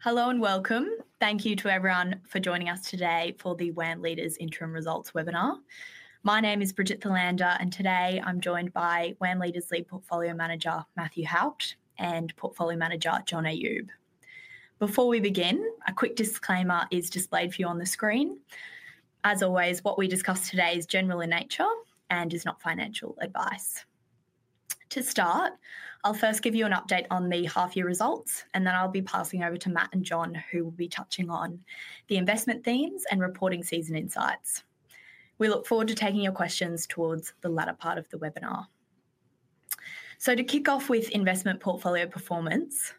Hello and welcome. Thank you to everyone for joining us today for the WAM Leaders interim results webinar. My name is Bridget Philander, and today I'm joined by WAM Leaders lead portfolio manager Matthew Haupt and portfolio manager John Ayoub. Before we begin, a quick disclaimer is displayed for you on the screen. As always, what we discuss today is general in nature and is not financial advice. To start, I'll first give you an update on the half-year results, and then I'll be passing over to Matt and John, who will be touching on the investment themes and reporting season insights. We look forward to taking your questions towards the latter part of the webinar. To kick off with investment portfolio performance,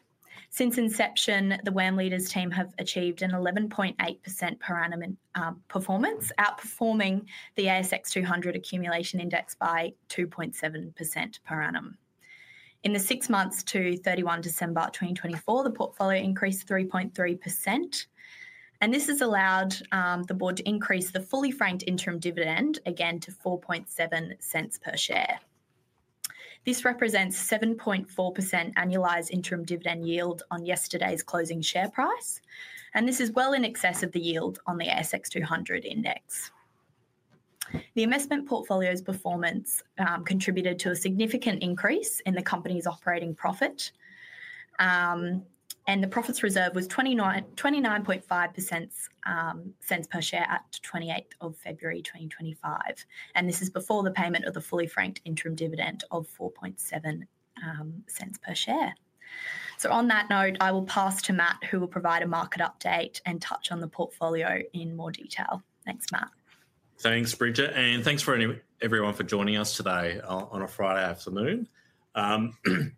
since inception, the WAM Leaders team have achieved an 11.8% per annum performance, outperforming the S&P/ASX 200 accumulation index by 2.7% per annum. In the six months to December 31, 2024, the portfolio increased 3.3%. This has allowed the board to increase the fully franked interim dividend again to 0.047 per share. This represents a 7.4% annualized interim dividend yield on yesterday's closing share price. This is well in excess of the yield on the ASX 200 index. The investment portfolio's performance contributed to a significant increase in the company's operating profit. The profits reserve was 0.295 per share at February 28, 2025. This is before the payment of the fully franked interim dividend of 0.047 per share. On that note, I will pass to Matt, who will provide a market update and touch on the portfolio in more detail. Thanks, Matt. Thanks, Bridget, and thanks for everyone for joining us today on a Friday afternoon.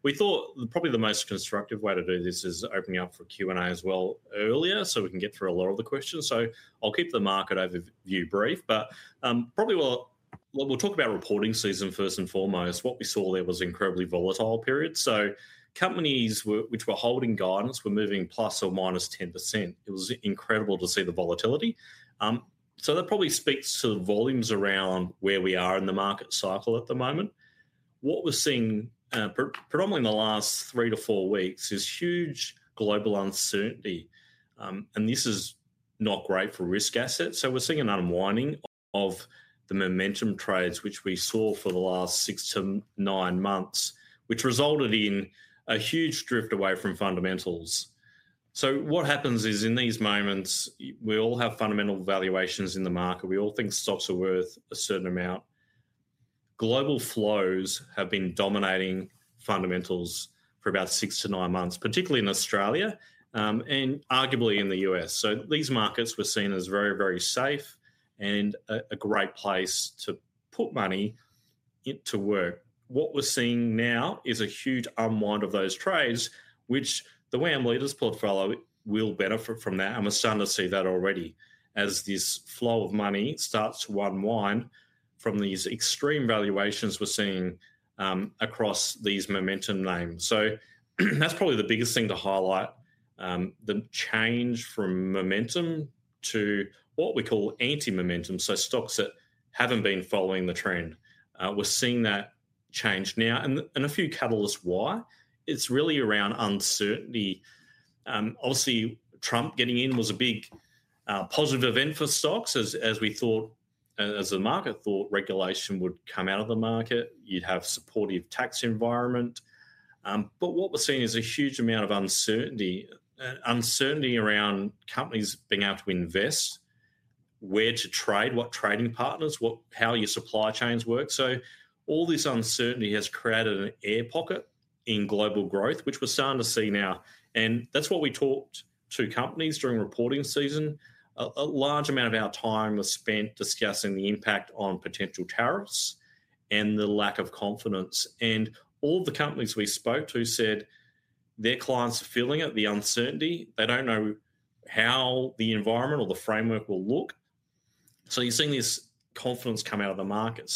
We thought probably the most constructive way to do this is opening up for Q&A as well earlier so we can get through a lot of the questions. I'll keep the market overview brief, but probably we'll talk about reporting season first and foremost. What we saw there was incredibly volatile periods. Companies which were holding guidance were moving plus or minus 10%. It was incredible to see the volatility. That probably speaks to the volumes around where we are in the market cycle at the moment. What we're seeing, probably in the last three to four weeks, is huge global uncertainty, and this is not great for risk assets. We're seeing an unwinding of the momentum trades, which we saw for the last six to nine months, which resulted in a huge drift away from fundamentals. What happens is, in these moments, we all have fundamental valuations in the market. We all think stocks are worth a certain amount. Global flows have been dominating fundamentals for about six to nine months, particularly in Australia, and arguably in the U.S. These markets were seen as very, very safe and a great place to put money to work. We're seeing now is a huge unwind of those trades, which the WAM Leaders portfolio will benefit from that, and we're starting to see that already as this flow of money starts to unwind from these extreme valuations we're seeing across these momentum names. That's probably the biggest thing to highlight, the change from momentum to what we call anti-momentum, so stocks that haven't been following the trend. We're seeing that change now and a few catalysts why. It's really around uncertainty. Obviously, Trump getting in was a big positive event for stocks as the market thought regulation would come out of the market. You'd have a supportive tax environment. What we're seeing is a huge amount of uncertainty. Uncertainty around companies being able to invest, where to trade, what trading partners, how your supply chains work. All this uncertainty has created an air pocket in global growth, which we're starting to see now, and that's why we talked to companies during reporting season. A large amount of our time was spent discussing the impact on potential tariffs and the lack of confidence. All the companies we spoke to said their clients are feeling it, the uncertainty. They don't know how the environment or the framework will look. You're seeing this confidence come out of the market.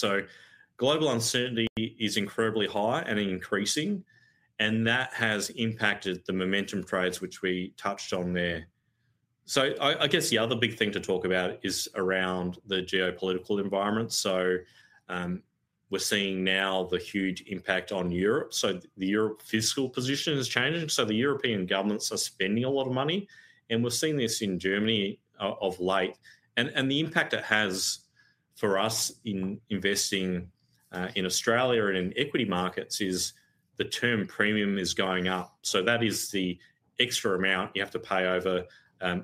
Global uncertainty is incredibly high and increasing, and that has impacted the momentum trades, which we touched on there. I guess the other big thing to talk about is around the geopolitical environment. We're seeing now the huge impact on Europe. The Europe fiscal position has changed. The European governments are spending a lot of money, and we're seeing this in Germany of late. The impact it has for us in investing in Australia and in equity markets is the term premium is going up. That is the extra amount you have to pay over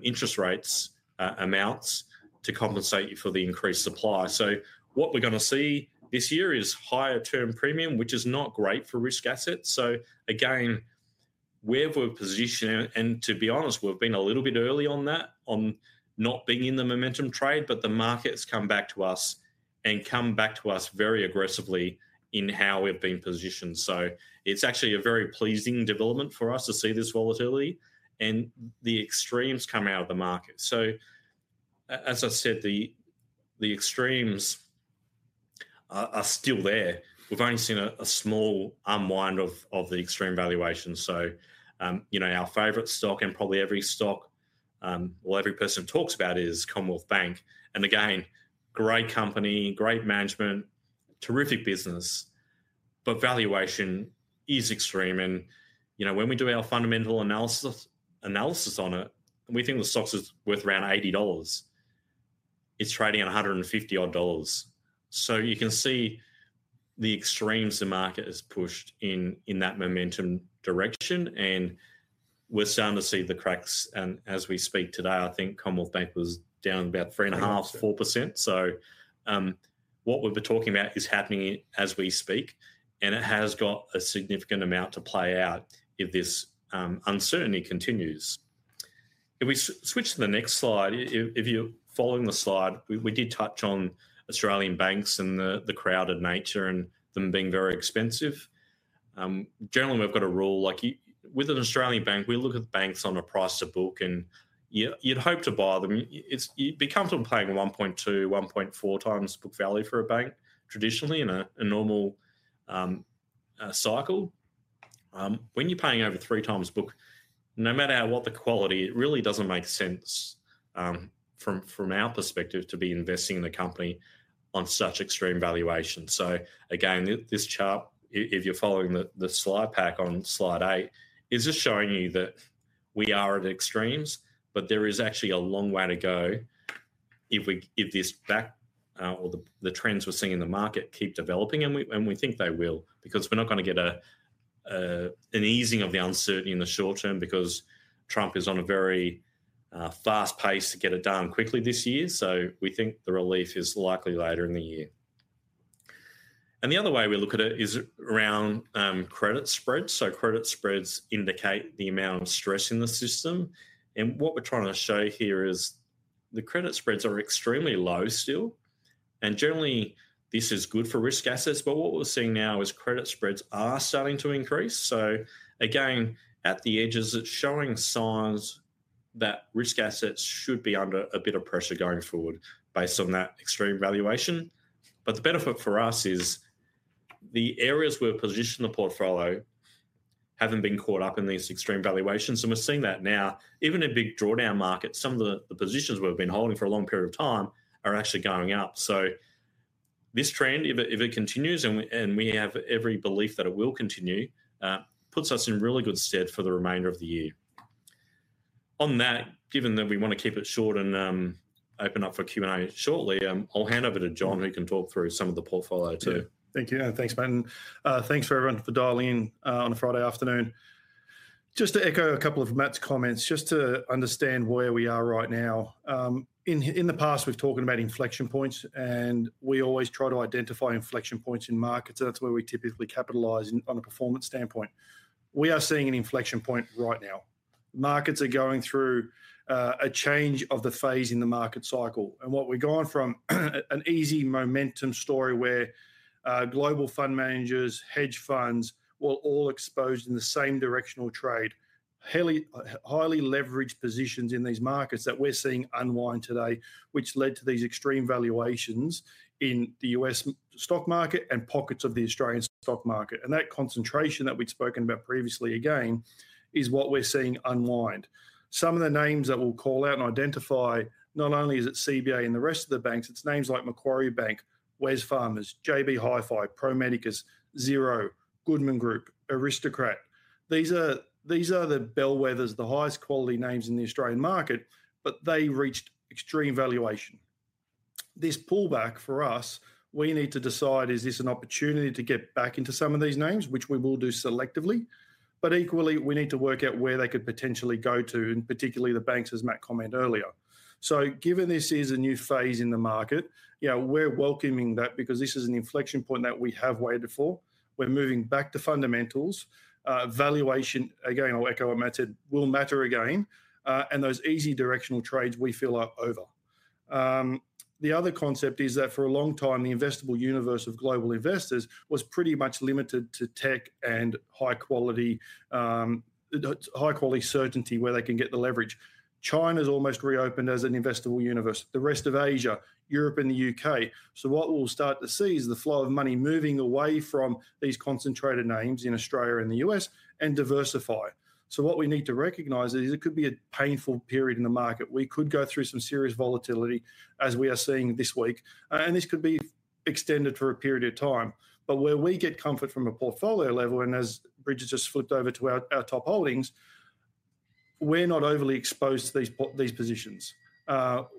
interest rates amounts to compensate you for the increased supply. What we're going to see this year is higher term premium, which is not great for risk assets. Again, where we're positioned, and to be honest, we've been a little bit early on that, on not being in the momentum trade, but the market's come back to us and come back to us very aggressively in how we've been positioned. It's actually a very pleasing development for us to see this volatility and the extremes come out of the market. As I said, the extremes are still there. We've only seen a small unwind of the extreme valuation. Our favorite stock and probably every stock, well, every person talks about is Commonwealth Bank. Again, great company, great management, terrific business. Valuation is extreme, and when we do our fundamental analysis on it, we think the stock is worth around 80 dollars. It's trading at 150 dollars odd. You can see the extremes the market has pushed in that momentum direction, and we're starting to see the cracks. As we speak today, I think Commonwealth Bank was down about 3.5%, 4%. What we've been talking about is happening as we speak, and it has got a significant amount to play out if this uncertainty continues. If we switch to the next slide, if you're following the slide, we did touch on Australian banks and the crowded nature and them being very expensive. Generally, we've got a rule, with an Australian bank, we look at banks on a price to book, and you'd hope to buy them. It becomes on paying 1.2x, 1.4x book value for a bank, traditionally, in a normal cycle. When you're paying over 3x book, no matter what the quality, it really doesn't make sense, from our perspective, to be investing in the company on such extreme valuations. Again, this chart, if you're following the slide pack on slide eight, is just showing you that we are at extremes, but there is actually a long way to go if the trends we're seeing in the market keep developing, and we think they will. Because we're not going to get an easing of the uncertainty in the short term because Trump is on a very fast pace to get it done quickly this year, so we think the relief is likely later in the year. The other way we look at it is around credit spreads. Credit spreads indicate the amount of stress in the system. What we're trying to show here is the credit spreads are extremely low still. Generally, this is good for risk assets. What we're seeing now is credit spreads are starting to increase. Again, at the edges, it's showing signs that risk assets should be under a bit of pressure going forward based on that extreme valuation. The benefit for us is the areas we've positioned the portfolio haven't been caught up in these extreme valuations, and we're seeing that now. Even a big drawdown market, some of the positions we've been holding for a long period of time are actually going up. This trend, if it continues, and we have every belief that it will continue, puts us in really good stead for the remainder of the year. On that, given that we want to keep it short and open up for Q&A shortly, I'll hand over to John, who can talk through some of the portfolio too. Thank you. Thanks, Matt, and thanks everyone for dialing in on a Friday afternoon. Just to echo a couple of Matt's comments, just to understand where we are right now. In the past, we've talked about inflection points. We always try to identify inflection points in markets. That's where we typically capitalize on a performance standpoint. We are seeing an inflection point right now. Markets are going through a change of the phase in the market cycle. What we've gone from, an easy momentum story where global fund managers, hedge funds, were all exposed in the same directional trade, highly leveraged positions in these markets that we're seeing unwind today, which led to these extreme valuations in the U.S. stock market and pockets of the Australian stock market. That concentration that we've spoken about previously again is what we're seeing unwind. Some of the names that we'll call out and identify, not only is it CBA and the rest of the banks, it's names like Macquarie Bank, Wesfarmers, JB Hi-Fi, Pro Medicus, Xero, Goodman Group, Aristocrat. These are the bellwethers, the highest quality names in the Australian market, but they reached extreme valuation. This pullback, for us, we need to decide, is this an opportunity to get back into some of these names, which we will do selectively. Equally, we need to work out where they could potentially go to, and particularly the banks as Matt commented earlier. Given this is a new phase in the market, we're welcoming that because this is an inflection point that we have waited for. We're moving back to fundamentals. Valuation, again, like how Matt said, will matter again. Those easy directional trades we feel are over. The other concept is that for a long time, the investable universe of global investors was pretty much limited to tech and high-quality certainty where they can get the leverage. China's almost reopened as an investable universe, the rest of Asia, Europe, and the U.K. What we'll start to see is the flow of money moving away from these concentrated names in Australia and the U.S. and diversify. What we need to recognize is it could be a painful period in the market. We could go through some serious volatility as we are seeing this week, and this could be extended for a period of time. Where we get comfort from a portfolio level, and as Bridget has flipped over to our top holdings, we're not overly exposed to these positions.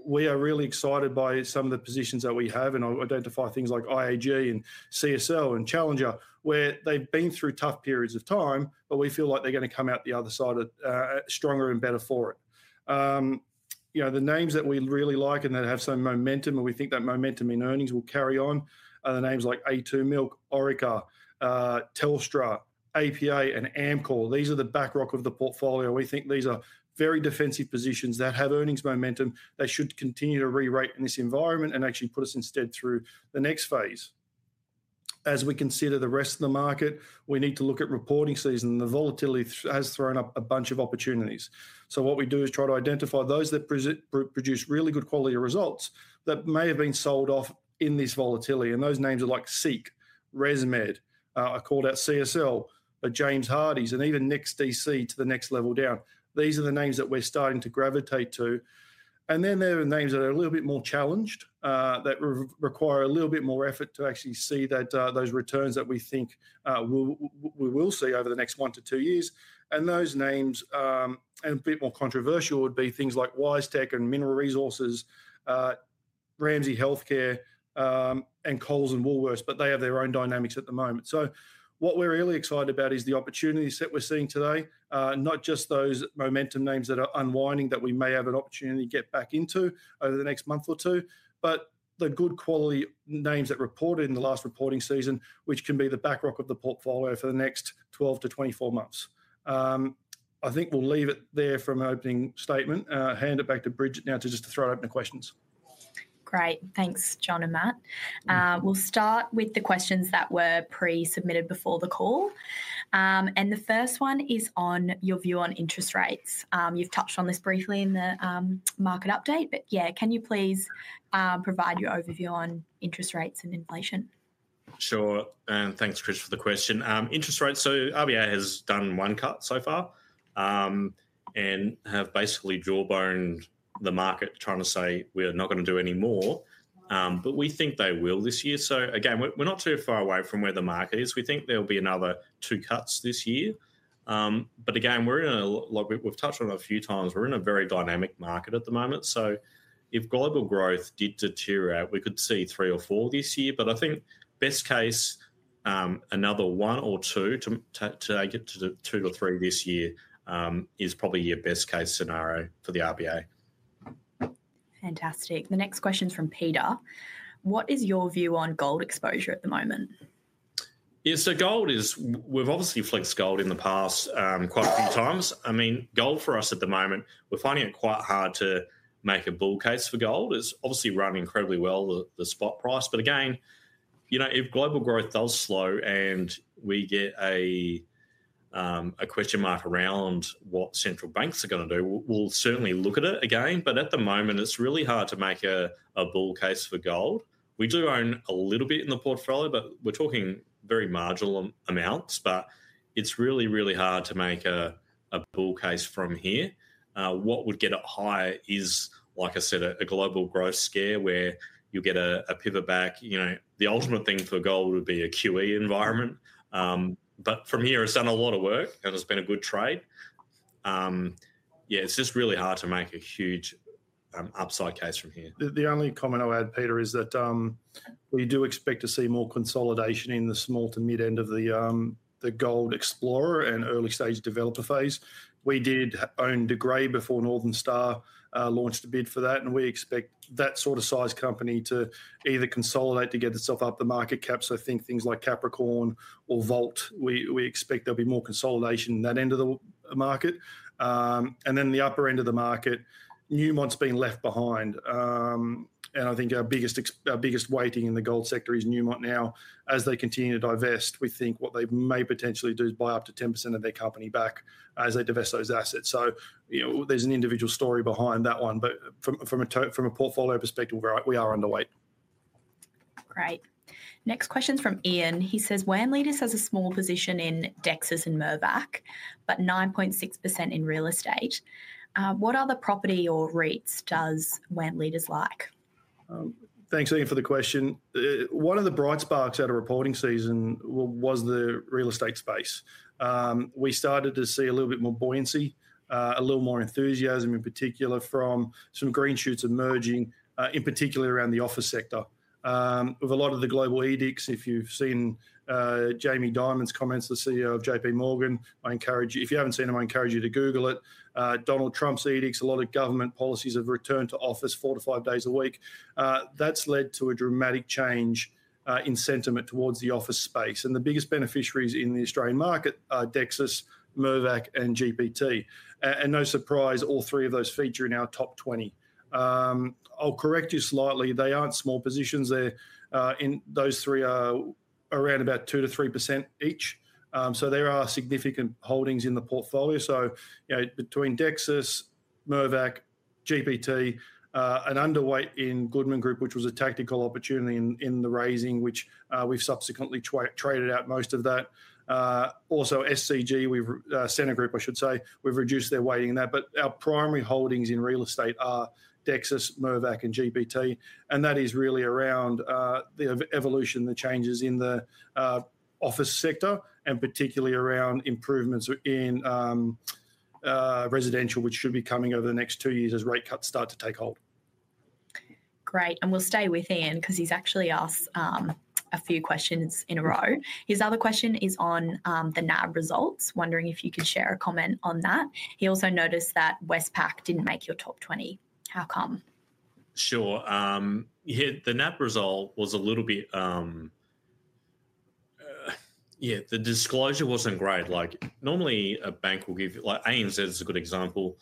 We are really excited by some of the positions that we have, I would identify things like IAG and CSL and Challenger, where they've been through tough periods of time, we feel like they're going to come out the other side stronger and better for it. The names that we really like that have some momentum, we think that momentum in earnings will carry on are the names like a2 Milk's, Orica, Telstra, APA, and Amcor. These are the bedrock of the portfolio. We think these are very defensive positions that have earnings momentum, that should continue to rerate in this environment actually put us in stead through the next phase. As we consider the rest of the market, we need to look at reporting season. The volatility has thrown up a bunch of opportunities. What we do is try to identify those that produce really good quality results that may have been sold off in this volatility. Those names are like SEEK, ResMed. I called out CSL, James Hardie, and even NEXTDC to the next level down. These are the names that we're starting to gravitate to. Then there are names that are a little bit more challenged that require a little bit more effort to actually see those returns that we think we will see over the next one to two years. Those names, and a bit more controversial, would be things like WiseTech and Mineral Resources, Ramsay Health Care, and Coles and Woolworths, but they have their own dynamics at the moment. What we're really excited about is the opportunities that we're seeing today, not just those momentum names that are unwinding that we may have an opportunity to get back into over the next month or two, but the good quality names that reported in the last reporting season, which can be the bedrock of the portfolio for the next 12 to 24 months. I think we'll leave it there for my opening statement. Hand it back to Bridget now to just to throw it open to questions. Great. Thanks, John and Matt. We'll start with the questions that were pre-submitted before the call. The first one is on your view on interest rates. You've touched on this briefly in the market update, yeah, can you please provide your overview on interest rates and inflation? Sure, thanks, Chris, for the question. Interest rates, RBA has done one cut so far, have basically jawboned the market trying to say, "We're not going to do any more." We think they will this year. Again, we're not too far away from where the market is. We think there'll be another two cuts this year. Again, we've touched on it a few times, we're in a very dynamic market at the moment, so if global growth did deteriorate, we could see three or four this year. I think best case, another one or two to get to the two or three this year, is probably your best case scenario for the RBA. Fantastic. The next question's from Peter. What is your view on gold exposure at the moment? Yeah, we've obviously flexed gold in the past quite a few times. Gold for us at the moment, we're finding it quite hard to make a bull case for gold. It's obviously running incredibly well, the spot price. Again, if global growth does slow and we get a question mark around what central banks are going to do, we'll certainly look at it again. At the moment it's really hard to make a bull case for gold. We do own a little bit in the portfolio, but we're talking very marginal amounts. It's really, really hard to make a bull case from here. What would get it higher is, like I said, a global growth scare where you'll get a pivot back. The ultimate thing for gold would be a QE environment. From here, it's done a lot of work and it's been a good trade. Yeah, it's just really hard to make a huge upside case from here. The only comment I'll add, Peter, is that we do expect to see more consolidation in the small to mid end of the gold explorer and early stage developer phase. We did own De Grey before Northern Star launched a bid for that, and we expect that sort of size company to either consolidate to get itself up the market cap. Think things like Capricorn or Vault, we expect there'll be more consolidation in that end of the market. The upper end of the market, Newmont's been left behind. I think our biggest weighting in the gold sector is Newmont now. As they continue to divest, we think what they may potentially do is buy up to 10% of their company back as they divest those assets. There's an individual story behind that one, but from a portfolio perspective, we are underweight. Great. Next question's from Ian. He says, "WAM Leaders has a small position in Dexus and Mirvac, but 9.6% in real estate. What other property or REITs does WAM Leaders like? Thanks, Ian, for the question. One of the bright sparks out of reporting season was the real estate space. We started to see a little bit more buoyancy, a little more enthusiasm in particular from some green shoots emerging, in particular around the office sector. With a lot of the global edicts, if you've seen Jamie Dimon's comments, the CEO of JPMorgan, if you haven't seen him, I encourage you to google it. Donald Trump's edicts, a lot of government policies of return to office four to five days a week, that's led to a dramatic change in sentiment towards the office space, and the biggest beneficiaries in the Australian market are Dexus, Mirvac and GPT. No surprise, all three of those feature in our top 20. I'll correct you slightly, they aren't small positions there. Those three are around about 2%-3% each, so they are significant holdings in the portfolio, between Dexus, Mirvac, GPT, an underweight in Goodman Group, which was a tactical opportunity in the raising, which we've subsequently traded out most of that. SCG, Scentre Group, I should say, we've reduced their weighting in that. Our primary holdings in real estate are Dexus, Mirvac and GPT, and that is really around the evolution, the changes in the office sector, and particularly around improvements in residential, which should be coming over the next two years as rate cuts start to take hold. Great. We'll stay with Ian because he's actually asked a few questions in a row. His other question is on the NAB results, wondering if you could share a comment on that. He also noticed that Westpac didn't make your top 20. How come? Sure. Yeah, the NAB result was a little bit. The disclosure wasn't great. Like normally a bank will give you, like ANZ is a good example.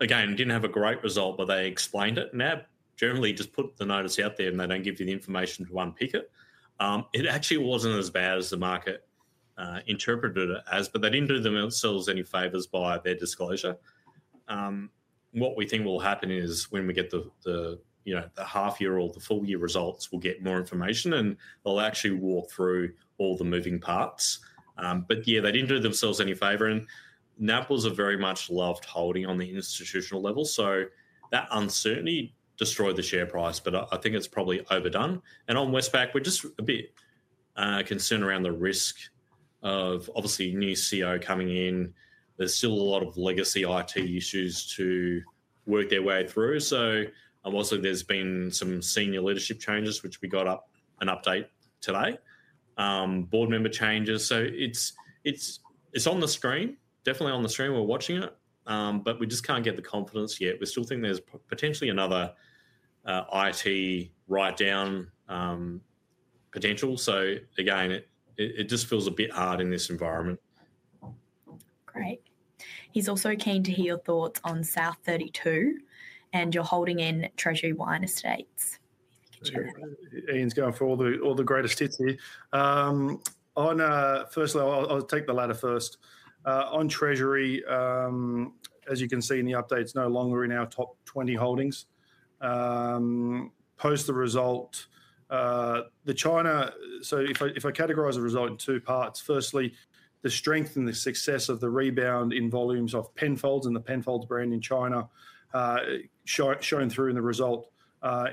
Didn't have a great result, they explained it. NAB generally just put the notice out there. They don't give you the information to unpick it. It actually wasn't as bad as the market interpreted it as. They didn't do themselves any favors by their disclosure. What we think will happen is when we get the half year or the full year results, we'll get more information. They'll actually walk through all the moving parts. They didn't do themselves any favor. NAB was a very much loved holding on the institutional level. That uncertainty destroyed the share price. I think it's probably overdone. On Westpac, we're just a bit concerned around the risk. obviously new CEO coming in. There's still a lot of legacy IT issues to work their way through. Also, there's been some senior leadership changes, which we got an update today. Board member changes. It's on the screen, definitely on the screen. We're watching it. We just can't get the confidence yet. We still think there's potentially another IT write-down potential. Again, it just feels a bit hard in this environment. Great. He's also keen to hear thoughts on South32, and you're holding in Treasury Wine Estates too. Ian's going for all the greatest hits here. First of all, I'll take the latter first. On Treasury, as you can see in the updates, no longer in our top 20 holdings post the result. If I categorize the result in two parts, firstly, the strength and the success of the rebound in volumes of Penfolds and the Penfolds brand in China shown through in the result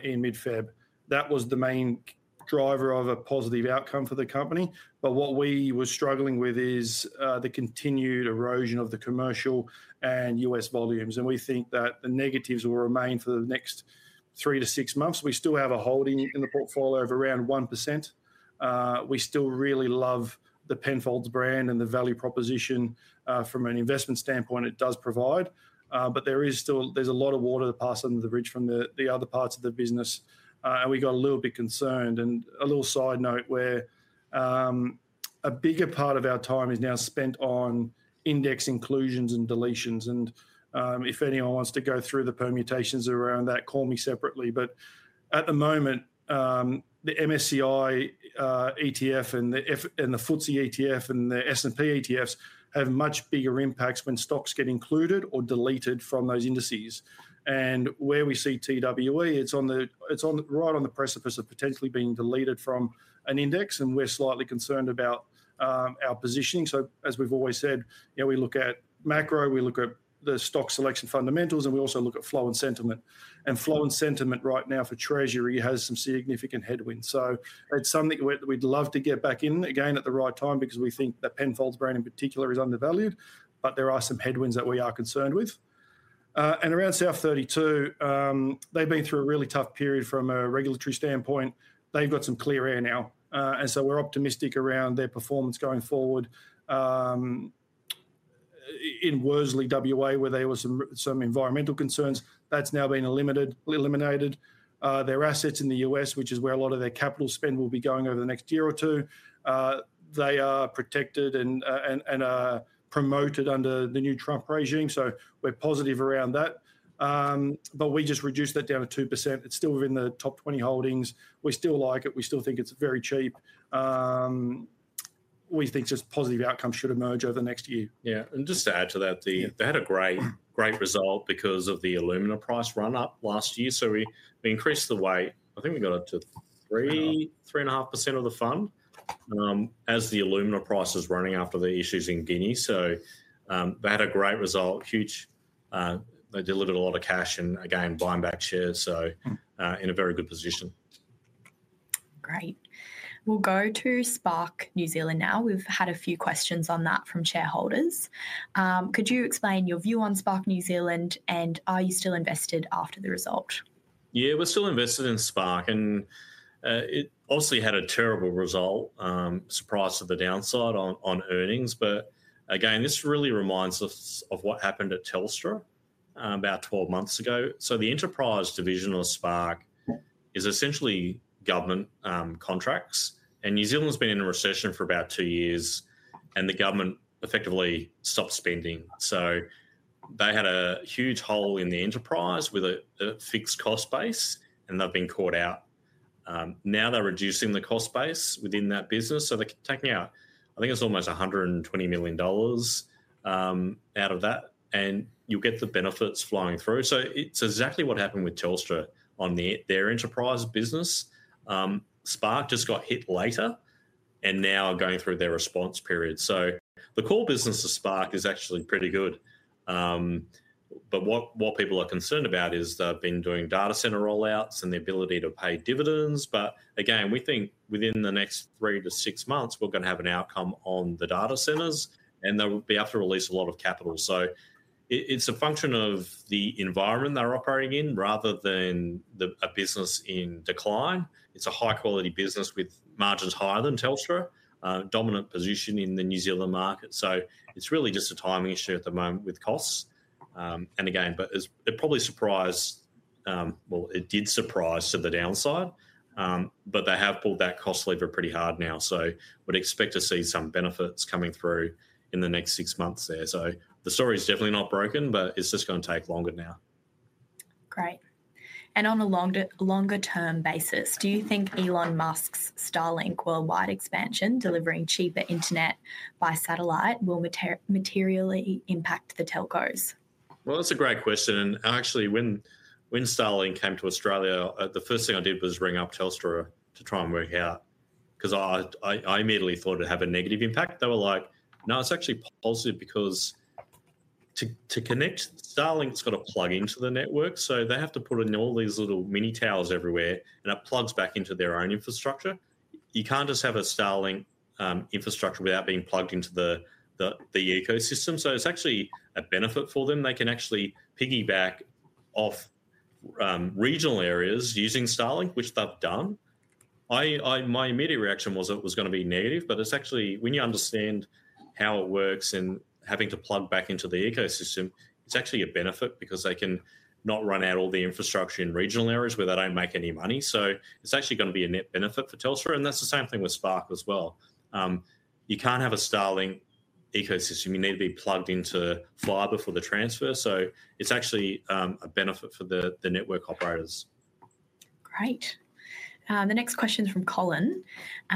in mid-Feb. That was the main driver of a positive outcome for the company. What we were struggling with is the continued erosion of the commercial and U.S. volumes, and we think that the negatives will remain for the next three to six months. We still have a holding in the portfolio of around 1%. We still really love the Penfolds brand and the value proposition from an investment standpoint it does provide. There's a lot of water passed under the bridge from the other parts of the business, and we got a little bit concerned. A little side note, where a bigger part of our time is now spent on index inclusions and deletions. If anyone wants to go through the permutations around that, call me separately. At the moment, the MSCI ETF and the FTSE ETF and the S&P ETFs have much bigger impacts when stocks get included or deleted from those indices. Where we see TWE, it's right on the precipice of potentially being deleted from an index, and we're slightly concerned about our positioning. As we've always said, we look at macro, we look at the stock selection fundamentals, and we also look at flow and sentiment. Flow and sentiment right now for Treasury has some significant headwinds. It's something we'd love to get back in again at the right time because we think that Penfolds brand in particular is undervalued. There are some headwinds that we are concerned with. Around South32, they've been through a really tough period from a regulatory standpoint. They've got some clear air now, and so we're optimistic around their performance going forward. In Worsley, WA, where there were some environmental concerns, that's now been eliminated. Their assets in the U.S., which is where a lot of their capital spend will be going over the next year or two, they are protected and are promoted under the new Trump regime, so we're positive around that. We just reduced that down to 2%. It's still in the top 20 holdings. We still like it. We still think it's very cheap. We think just positive outcomes should emerge over the next year. Just to add to that, they had a great result because of the alumina price run-up last year. We increased the weight. I think we got up to three- Yeah three and a half % of the fund, as the alumina price was running up for the issues in Guinea. They had a great result. Huge. They delivered a lot of cash and again, buying back shares, so in a very good position. Great. We'll go to Spark New Zealand now. We've had a few questions on that from shareholders. Could you explain your view on Spark New Zealand, and are you still invested after the result? Yeah, we're still invested in Spark. It obviously had a terrible result. Surprise to the downside on earnings, again, this really reminds us of what happened at Telstra about 12 months ago. The enterprise division of Spark is essentially government contracts, and New Zealand's been in recession for about two years, and the government effectively stopped spending. They had a huge hole in the enterprise with a fixed cost base, and they've been caught out. Now they're reducing the cost base within that business, so they're taking out, I think it's almost 120 million dollars out of that, and you'll get the benefits flowing through. It's exactly what happened with Telstra on their enterprise business. Spark just got hit later and now are going through their response period. The core business of Spark is actually pretty good. What people are concerned about is they've been doing data center roll-outs and the ability to pay dividends. But again, we think within the next three to six months, we're going to have an outcome on the data centers, and they'll be able to release a lot of capital. So it's a function of the environment they're operating in rather than a business in decline. It's a high-quality business with margins higher than Telstra, dominant position in the New Zealand market. So it's really just a timing issue at the moment with costs. Again, but it probably surprised, well, it did surprise to the downside. But they have pulled that cost lever pretty hard now, so would expect to see some benefits coming through in the next six months there. So the story's definitely not broken, but it's just going to take longer now. Great. On a longer-term basis, do you think Elon Musk's Starlink worldwide expansion delivering cheaper internet by satellite will materially impact the telcos? Well, that's a great question. Actually, when Starlink came to Australia, the first thing I did was ring up Telstra to try and work out, because I immediately thought it'd have a negative impact. They were like, "No, it's actually positive. To connect, Starlink's got to plug into the network, so they have to put in all these little mini towers everywhere, and it plugs back into their own infrastructure. You can't just have a Starlink infrastructure without being plugged into the ecosystem. It's actually a benefit for them. They can actually piggyback off regional areas using Starlink, which they've done. My immediate reaction was that it was going to be negative, but when you understand how it works and having to plug back into the ecosystem, it's actually a benefit because they can not run out all the infrastructure in regional areas where they don't make any money. It's actually going to be a net benefit for Telstra, and that's the same thing with Spark as well. You can't have a Starlink ecosystem. You need to be plugged into fiber for the transfer, so it's actually a benefit for the network operators. Great. The next question from Colin.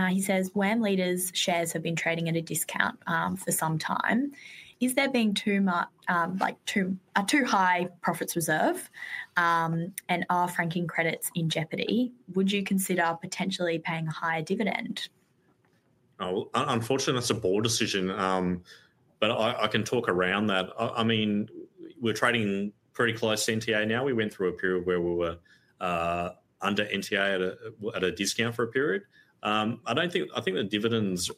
He says, "WAM Leaders shares have been trading at a discount for some time. Is there too high profits reserve, and are franking credits in jeopardy? Would you consider potentially paying a higher dividend? That's a board decision. I can talk around that. We're trading pretty close to NTA now. We went through a period where we were under NTA at a discount for a period. I think the dividends.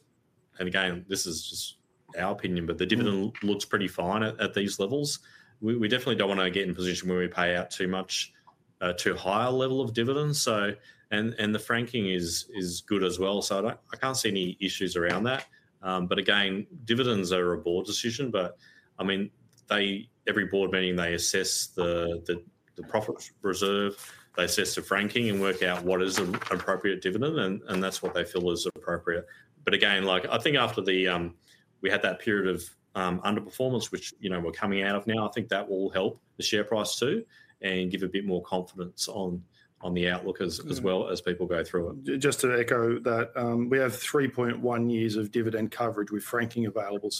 Again, this is just our opinion. The dividend looks pretty fine at these levels. We definitely don't want to get in a position where we pay out too high a level of dividends. The franking is good as well. I can't see any issues around that. Again, dividends are a board decision. Every board meeting, they assess the profit reserve, they assess the franking and work out what is an appropriate dividend, and that's what they feel is appropriate. Again, I think after we had that period of underperformance, which we're coming out of now, I think that will help the share price too and give a bit more confidence on the outlook as well as people go through it. Just to echo that, we have 3.1 years of dividend coverage with franking available.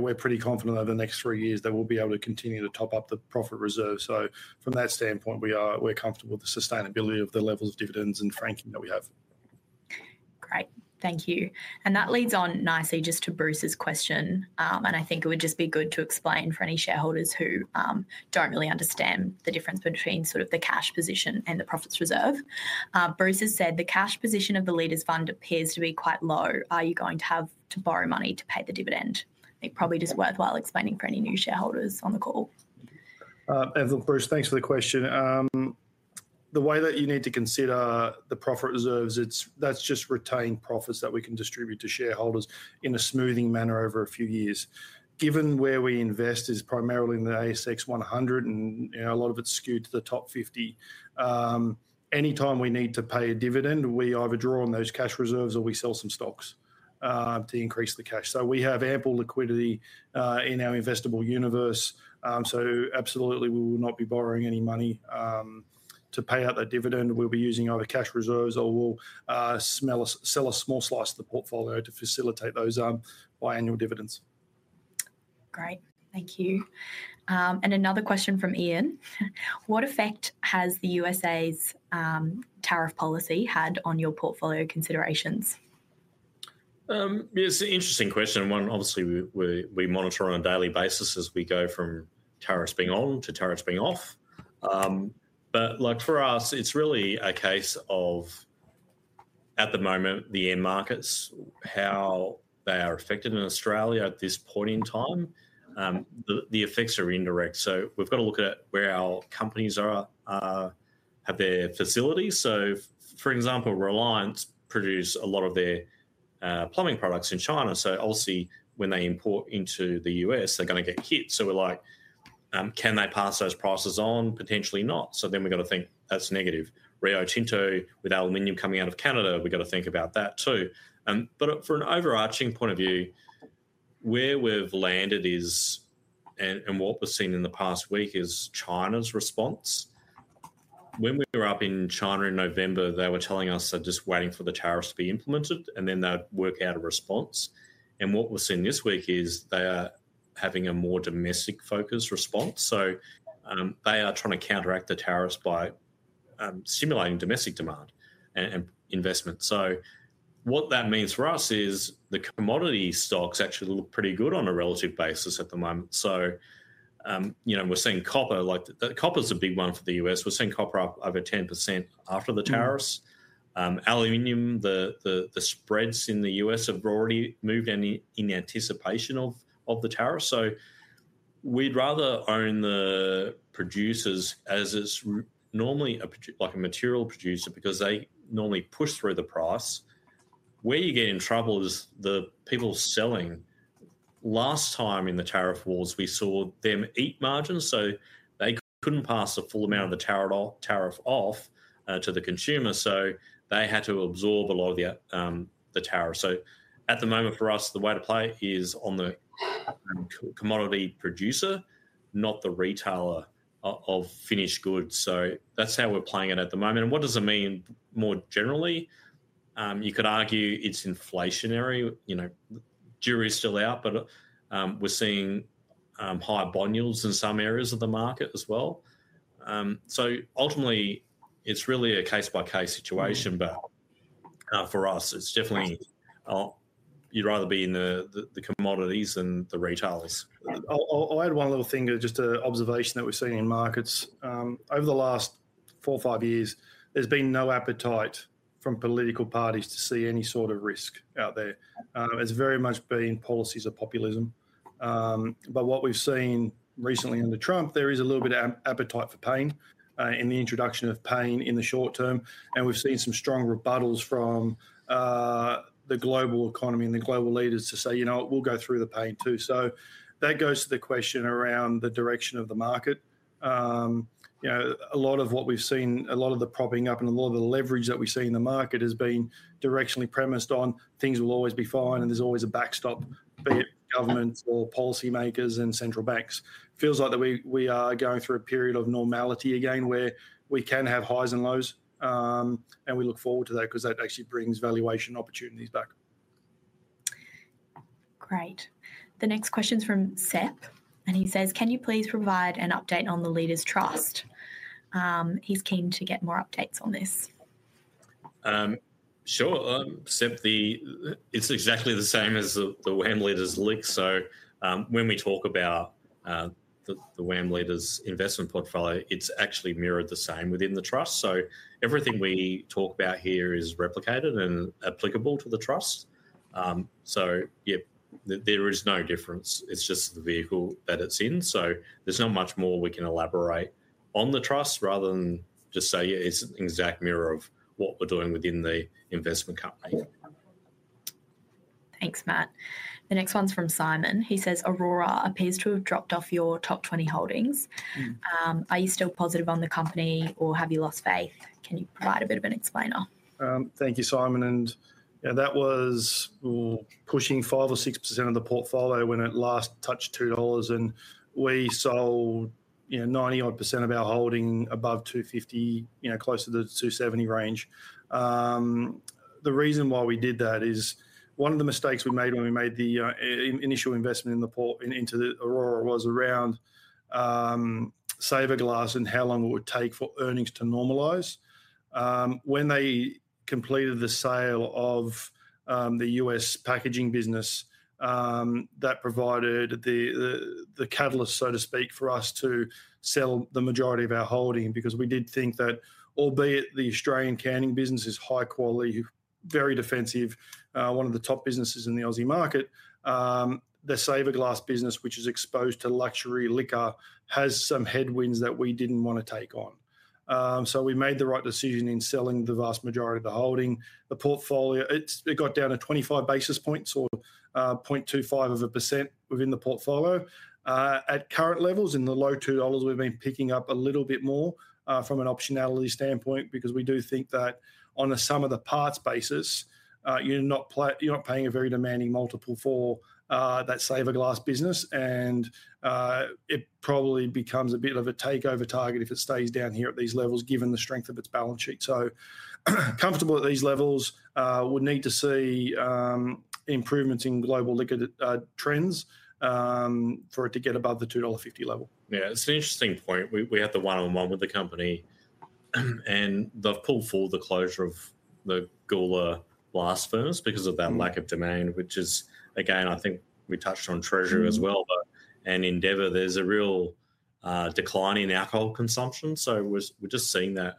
We're pretty confident over the next three years that we'll be able to continue to top up the profit reserve. From that standpoint, we're comfortable with the sustainability of the levels of dividends and franking that we have. Great. Thank you. That leads on nicely just to Bruce's question. I think it would just be good to explain for any shareholders who don't really understand the difference between the cash position and the profits reserve. Bruce has said, "The cash position of the Leaders Fund appears to be quite low. Are you going to have to borrow money to pay the dividend?" It probably is worthwhile explaining for any new shareholders on the call. For Bruce, thanks for the question. The way that you need to consider the profit reserves, that's just retained profits that we can distribute to shareholders in a smoothing manner over a few years. Given where we invest is primarily in the ASX 100, and a lot of it's skewed to the top 50. Any time we need to pay a dividend, we either draw on those cash reserves or we sell some stocks to increase the cash. We have ample liquidity in our investable universe. Absolutely, we will not be borrowing any money to pay out that dividend. We'll be using either cash reserves or we'll sell a small slice of the portfolio to facilitate those biannual dividends. Great. Thank you. Another question from Ian. What effect has the U.S.'s tariff policy had on your portfolio considerations? It's an interesting question. One, obviously, we monitor on a daily basis as we go from tariffs being on to tariffs being off. For us, it's really a case of, at the moment, the end markets, how they are affected in Australia at this point in time. The effects are indirect. We've got to look at where our companies are at their facilities. For example, Reliance produce a lot of their plumbing products in China. Obviously, when they import into the U.S., they're going to get hit. We're like, can they pass those prices on? Potentially not. We've got to think that's negative. Rio Tinto, with aluminum coming out of Canada, we've got to think about that, too. For an overarching point of view, where we've landed is, and what we've seen in the past week is China's response. When we were up in China in November, they were telling us they're just waiting for the tariffs to be implemented, then they'd work out a response. What we're seeing this week is they are having a more domestic-focused response. They are trying to counteract the tariffs by stimulating domestic demand and investment. What that means for us is the commodity stocks actually look pretty good on a relative basis at the moment. We're seeing copper. Copper's a big one for the U.S. We're seeing copper up over 10% after the tariffs. Aluminum, the spreads in the U.S. have already moved in anticipation of the tariff. We'd rather own the producers as it's normally like a material producer because they normally push through the price. Where you get in trouble is the people selling. Last time in the tariff wars, we saw them eat margins, they couldn't pass the full amount of the tariff off to the consumer. They had to absorb a lot of the tariff. At the moment for us, the way to play is on the commodity producer, not the retailer of finished goods. That's how we're playing it at the moment. What does it mean more generally? You could argue it's inflationary. Jury's still out, but we're seeing higher bond yields in some areas of the market as well. Ultimately, it's really a case-by-case situation, but for us, it's definitely you'd rather be in the commodities than the retails. I'll add one other thing, just an observation that we've seen in markets. Over the last four or five years, there's been no appetite from political parties to see any sort of risk out there. It's very much been policies of populism. What we've seen recently in the Trump, there is a little bit of appetite for pain and the introduction of pain in the short term, and we've seen some strong rebuttals from the global economy and the global leaders to say, "We'll go through the pain, too." That goes to the question around the direction of the market. A lot of what we've seen, a lot of the propping up and a lot of the leverage that we've seen in the market has been directionally premised on things will always be fine, and there's always a backstop, be it government or policymakers and central banks. Feels like we are going through a period of normality again, where we can have highs and lows, and we look forward to that because that actually brings valuation opportunities back. Great. The next question's from Seth. He says, "Can you please provide an update on the Leaders Trust?" He's keen to get more updates on this. Sure. Seth, it's exactly the same as the WAM Leaders Limited. When we talk about the WAM Leaders investment portfolio, it's actually mirrored the same within the trust. Everything we talk about here is replicated and applicable to the trust. Yep, there is no difference. It's just the vehicle that it's in. There's not much more we can elaborate on the trust rather than just say it's an exact mirror of what we're doing within the investment company. Thanks, Matt. The next one's from Simon. He says, "Orora appears to have dropped off your top 20 holdings. Are you still positive on the company or have you lost faith? Can you provide a bit of an explainer? Thank you, Simon. That was pushing 5% or 6% of the portfolio when it last touched 2 dollars. We sold 91% of our holding above 250, close to the 2.70 range. The reason why we did that is one of the mistakes we made when we made the initial investment into the Orora was around Saverglass and how long it would take for earnings to normalize. When they completed the sale of the U.S. packaging business, that provided the catalyst, so to speak, for us to sell the majority of our holding because we did think that albeit the Australian canning business is high quality, very defensive, one of the top businesses in the Aussie market, the Saverglass business, which is exposed to luxury liquor, has some headwinds that we didn't want to take on. We made the right decision in selling the vast majority of the holding. The portfolio, it got down to 25 basis points or 0.25% within the portfolio. At current levels, in the low 2 dollars, we've been picking up a little bit more from an optionality standpoint because we do think that on a sum of the parts basis, you're not paying a very demanding multiple for that Saverglass business, and it probably becomes a bit of a takeover target if it stays down here at these levels given the strength of its balance sheet. Comfortable at these levels. We'll need to see improvements in global liquor trends for it to get above the 2.50 dollar level. It's an interesting point. We had the one-on-one with the company, and they've pulled forward the closure of the Gawler glass furnace because of that lack of demand which is, again, I think we touched on Treasury as well. In Endeavour, there's a real decline in alcohol consumption. We're just seeing that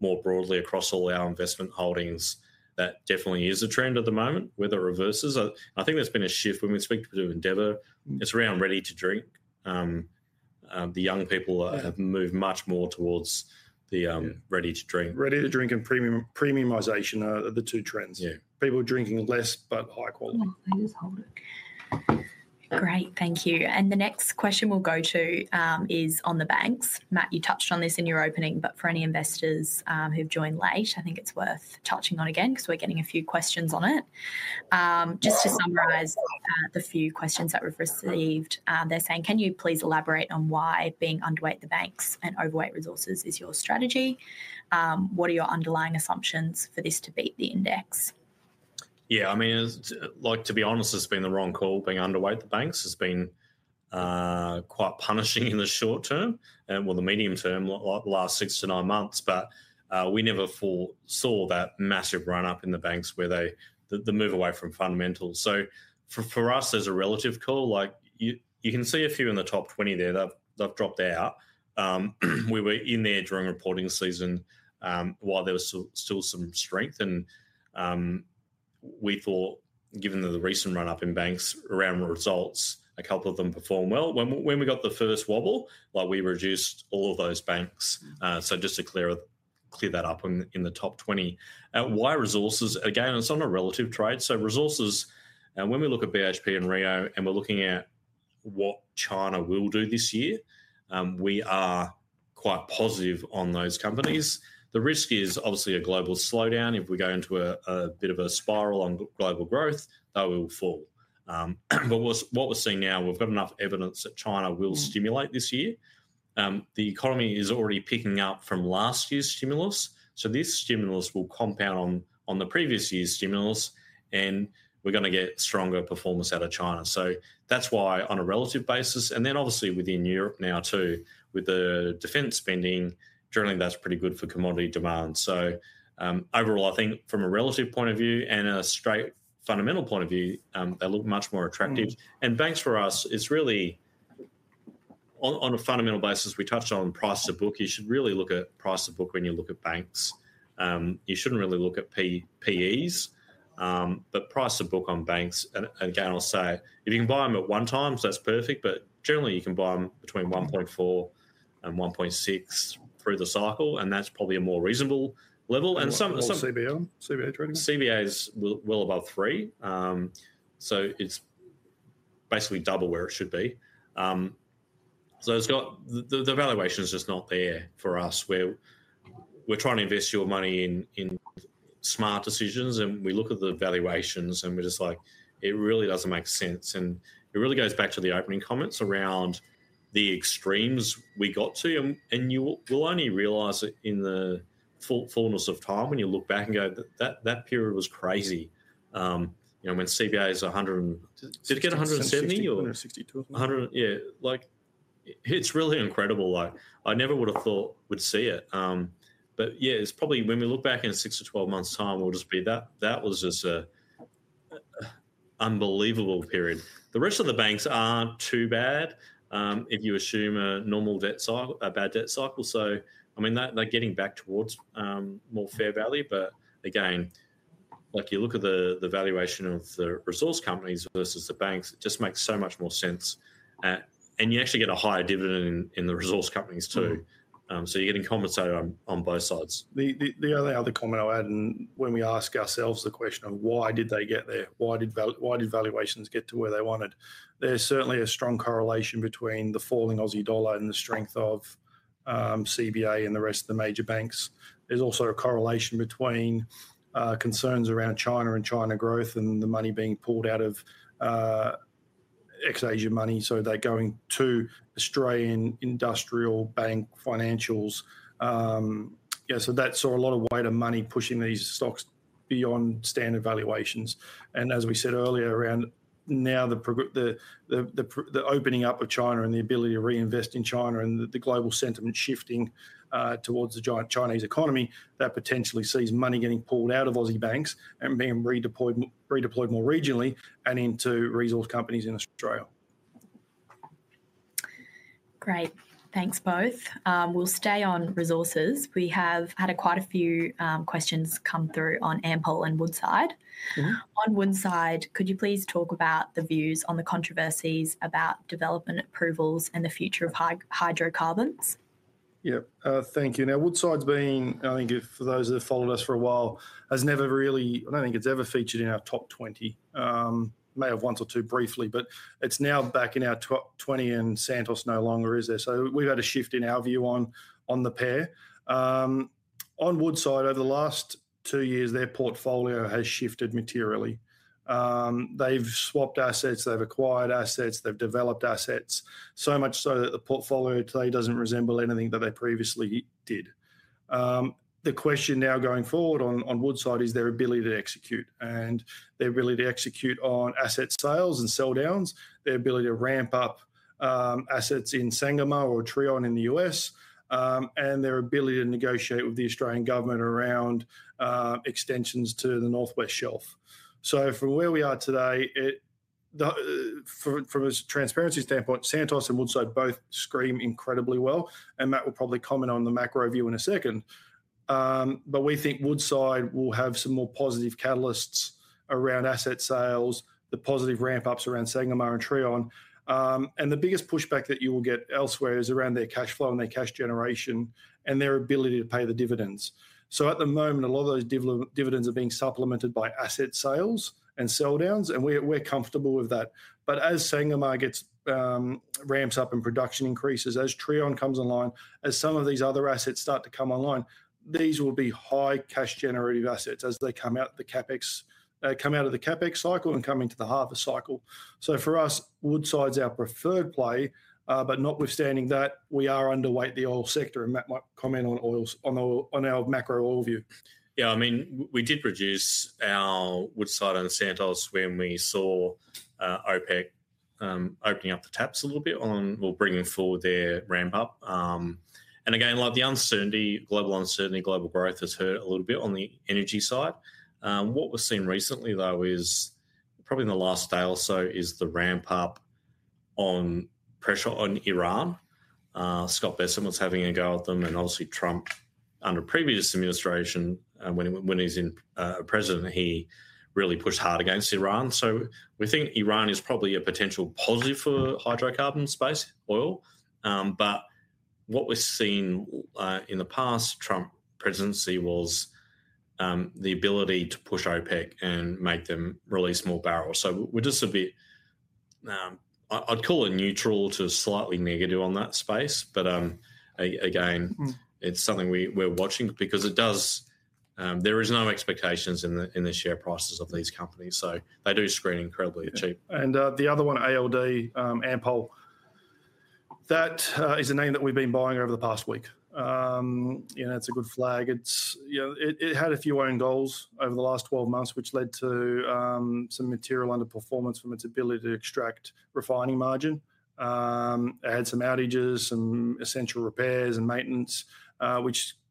more broadly across all our investment holdings. That definitely is a trend at the moment. Whether it reverses, I think there's been a shift when we speak to Endeavour. It's around ready to drink. The young people have moved much more towards the ready to drink. Ready to drink and premiumization are the two trends. Yeah. People are drinking less but high quality. Great. Thank you. The next question we'll go to is on the banks. Matt, you touched on this in your opening, but for any investors who've joined late, I think it's worth touching on again because we're getting a few questions on it. Just to summarize the few questions that we've received, they're saying, "Can you please elaborate on why being underweight the banks and overweight resources is your strategy? What are your underlying assumptions for this to beat the index? Yeah. To be honest, it's been the wrong call. Being underweight the banks has been quite punishing in the short term, well, the medium term, the last six to nine months. We never saw that massive run-up in the banks where they move away from fundamentals. For us, as a relative call, you can see a few in the top 20 there that they've dropped out. We were in there during reporting season, while there was still some strength and we thought given the recent run-up in banks around the results, a couple of them performed well. When we got the first wobble, we reduced all of those banks. Just to clear that up in the top 20. Why resources? Again, it's on a relative trade. Resources, when we look at BHP and Rio and we're looking at what China will do this year, we are quite positive on those companies. The risk is obviously a global slowdown. If we go into a bit of a spiral on global growth, they will fall. What we're seeing now, we've got enough evidence that China will stimulate this year. The economy is already picking up from last year's stimulus. This stimulus will compound on the previous year's stimulus, and we're going to get stronger performance out of China. That's why on a relative basis, and then obviously within Europe now too, with the defense spending, generally that's pretty good for commodity demand. Overall, I think from a relative point of view and a straight fundamental point of view, they look much more attractive. Banks for us is really on a fundamental basis, we touched on price-to-book. You should really look at price-to-book when you look at banks. You shouldn't really look at PEs, but price-to-book on banks. Again, I'll say if you can buy them at one time, so that's perfect, but generally you can buy them between 1.4 and 1.6 through the cycle, and that's probably a more reasonable level. What's CBA on? CBA trading on? CBA is well above three. It's basically double where it should be. The valuation's just not there for us. We're trying to invest your money in smart decisions, and we look at the valuations and we're just like, "It really doesn't make sense." It really goes back to the opening comments around the extremes we got to. You'll only realize it in the fullness of time when you look back and go, "That period was crazy." When CBA is 100 and did it get to 170 or? 72. Yeah. It's really incredible. I never would've thought we'd see it. Yeah, it's probably when we look back in six-12 months' time, that was just an unbelievable period. The rest of the banks aren't too bad, if you assume a bad debt cycle. They're getting back towards more fair value. Again, you look at the valuation of the resource companies versus the banks, it just makes so much more sense. You actually get a higher dividend in the resource companies, too. You're getting compensated on both sides. The only other comment I would add, when we ask ourselves the question of why did they get there? Why did valuations get to where they wanted? There's certainly a strong correlation between the falling Aussie dollar and the strength of CBA and the rest of the major banks. There's also a correlation between concerns around China and China growth and the money being pulled out of ex-Asia money. They're going to Australian industrial bank financials. That's a lot of weight of money pushing these stocks beyond standard valuations. As we said earlier, around now the opening up of China and the ability to reinvest in China and the global sentiment shifting towards the giant Chinese economy, that potentially sees money getting pulled out of Aussie banks and being redeployed more regionally and into resource companies in Australia. Great. Thanks, both. We'll stay on resources. We have had quite a few questions come through on Ampol and Woodside. Mm-hmm. On Woodside, could you please talk about the views on the controversies about development approvals and the future of hydrocarbons? Yeah. Thank you. Woodside's been, I think for those that have followed us for a while, has never really, I don't think it's ever featured in our top 20. May have once or two briefly, but it's now back in our top 20 and Santos no longer is there. We've had a shift in our view on the pair. On Woodside, over the last two years, their portfolio has shifted materially. They've swapped assets, they've acquired assets, they've developed assets, so much so that the portfolio today doesn't resemble anything that they previously did. The question now going forward on Woodside is their ability to execute. Their ability to execute on asset sales and sell downs, their ability to ramp up assets in Sangomar or Trion in the U.S., and their ability to negotiate with the Australian government around extensions to the North West Shelf. From where we are today, from a transparency standpoint, Santos and Woodside both screen incredibly well, and Matt will probably comment on the macro view in a second. We think Woodside will have some more positive catalysts around asset sales, the positive ramp-ups around Sangomar and Trion. The biggest pushback that you will get elsewhere is around their cash flow and their cash generation and their ability to pay the dividends. At the moment, a lot of those dividends are being supplemented by asset sales and sell downs, and we're comfortable with that. As Sangomar ramps up and production increases, as Trion comes online, as some of these other assets start to come online, these will be high cash generative assets as they come out of the CapEx cycle and come into the harvest cycle. For us, Woodside's our preferred play. Notwithstanding that, we are underweight the oil sector, and Matt might comment on our macro oil view. We did reduce our Woodside and Santos when we saw OPEC opening up the taps a little bit or bringing forward their ramp-up. Again, the uncertainty, global uncertainty, global growth has hurt a little bit on the energy side. What we've seen recently, though, is probably in the last day or so, is the ramp-up on pressure on Iran. Scott Bessent was having a go at them, obviously Trump under previous administration, when he's in president, he really pushed hard against Iran. We think Iran is probably a potential positive for the hydrocarbon space, oil. What we've seen in the past Trump presidency was the ability to push OPEC and make them release more barrels. We're just a bit, I'd call it neutral to slightly negative on that space. Again it's something we're watching because it does There is no expectations in the share prices of these companies, they do screen incredibly cheap. The other one, ALD, Ampol. That is a name that we've been buying over the past week. It's a good flag. It had a few own goals over the last 12 months, which led to some material underperformance from its ability to extract refining margin. It had some outages, some essential repairs and maintenance,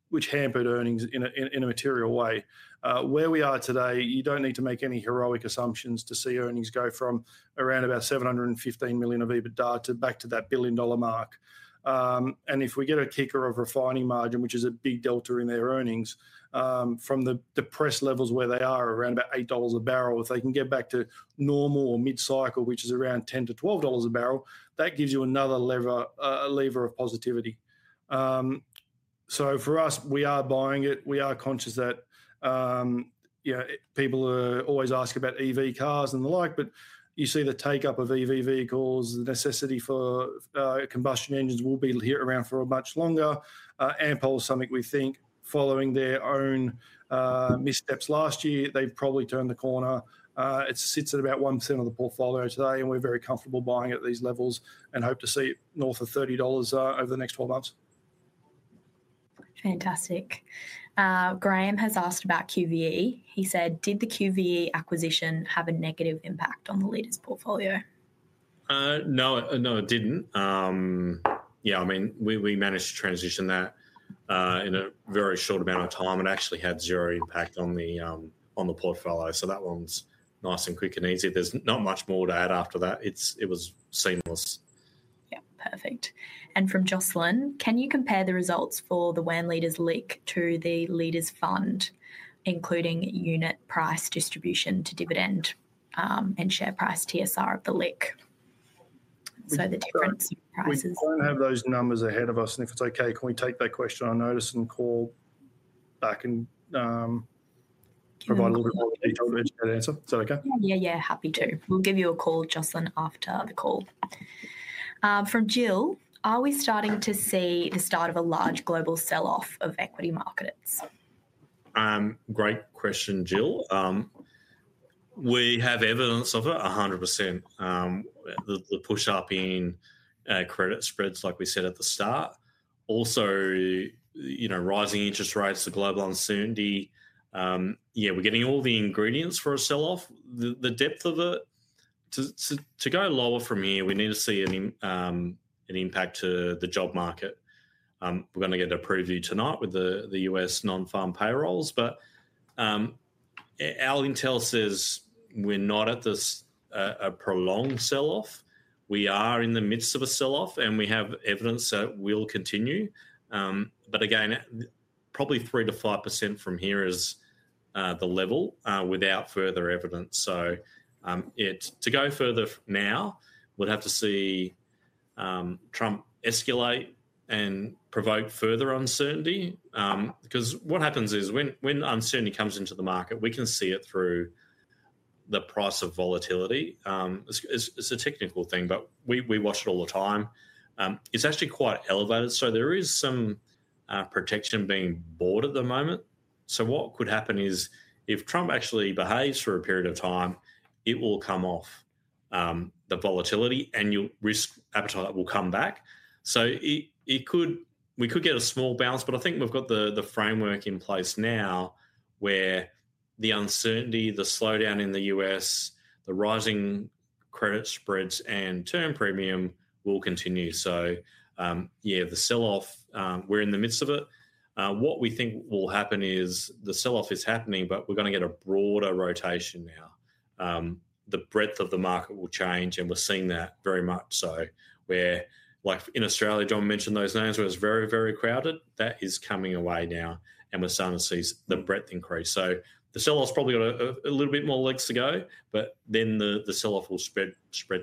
which hampered earnings in a material way. Where we are today, you don't need to make any heroic assumptions to see earnings go from around 715 million EBITDA to back to that billion-dollar mark. If we get a kicker of refining margin, which is a big delta in their earnings, from the depressed levels where they are around at 8 dollars a barrel, if they can get back to normal or mid-cycle, which is around 10 to 12 dollars a barrel, that gives you another lever of positivity. For us, we are buying it. We are conscious that people are always asking about EV cars and the like. You see the take-up of EV vehicles, the necessity for combustion engines will be here around for much longer. Ampol is something we think following their own missteps last year, they've probably turned the corner. It sits at about 1% of the portfolio today. We're very comfortable buying at these levels and hope to see it north of 30 dollars over the next 12 months. Fantastic. Graham has asked about QVE. He said, "Did the QVE acquisition have a negative impact on the Leaders portfolio? No, it didn't. We managed to transition that in a very short amount of time. It actually had zero impact on the portfolio. That one's nice and quick and easy. There's not much more to add after that. It was seamless. Yeah. Perfect. From Jocelyn, can you compare the results for the WAM Leaders Limited to the Leaders Fund, including unit price distribution to dividend, and share price TSR of the LIC? The difference in prices. We don't have those numbers ahead of us. If it's okay, can we take that question on notice and call back? Yeah. Provide a little bit more detail when we get an answer. Is that okay? Happy to. We'll give you a call, Jocelyn, after the call. From Jill, are we starting to see the start of a large global sell-off of equity markets? Great question, Jill. We have evidence of it, 100%. The push up in credit spreads, like we said at the start. Rising interest rates, the global uncertainty. We're getting all the ingredients for a sell-off. The depth of it, to go lower from here, we need to see an impact to the job market. We're going to get a preview tonight with the U.S. non-farm payrolls, our intel says we're not at a prolonged sell-off. We are in the midst of a sell-off, we have evidence that it will continue. Again, probably 3%-5% from here is the level without further evidence. To go further now, we'd have to see Trump escalate and provoke further uncertainty. What happens is, when uncertainty comes into the market, we can see it through the price of volatility. It's a technical thing, but we watch it all the time. It's actually quite elevated. There is some protection being bought at the moment. What could happen is, if Trump actually behaves for a period of time, it will come off, the volatility, and your risk appetite will come back. We could get a small bounce, but I think we've got the framework in place now where the uncertainty, the slowdown in the U.S., the rising credit spreads, and term premium will continue. The sell-off, we're in the midst of it. What we think will happen is the sell-off is happening, but we're going to get a broader rotation now. The breadth of the market will change, and we're seeing that very much so, where, like in Australia, John mentioned those names where it's very crowded. That is coming away now, and we're starting to see the breadth increase. The sell-off's probably got a little bit more legs to go, but then the sell-off will spread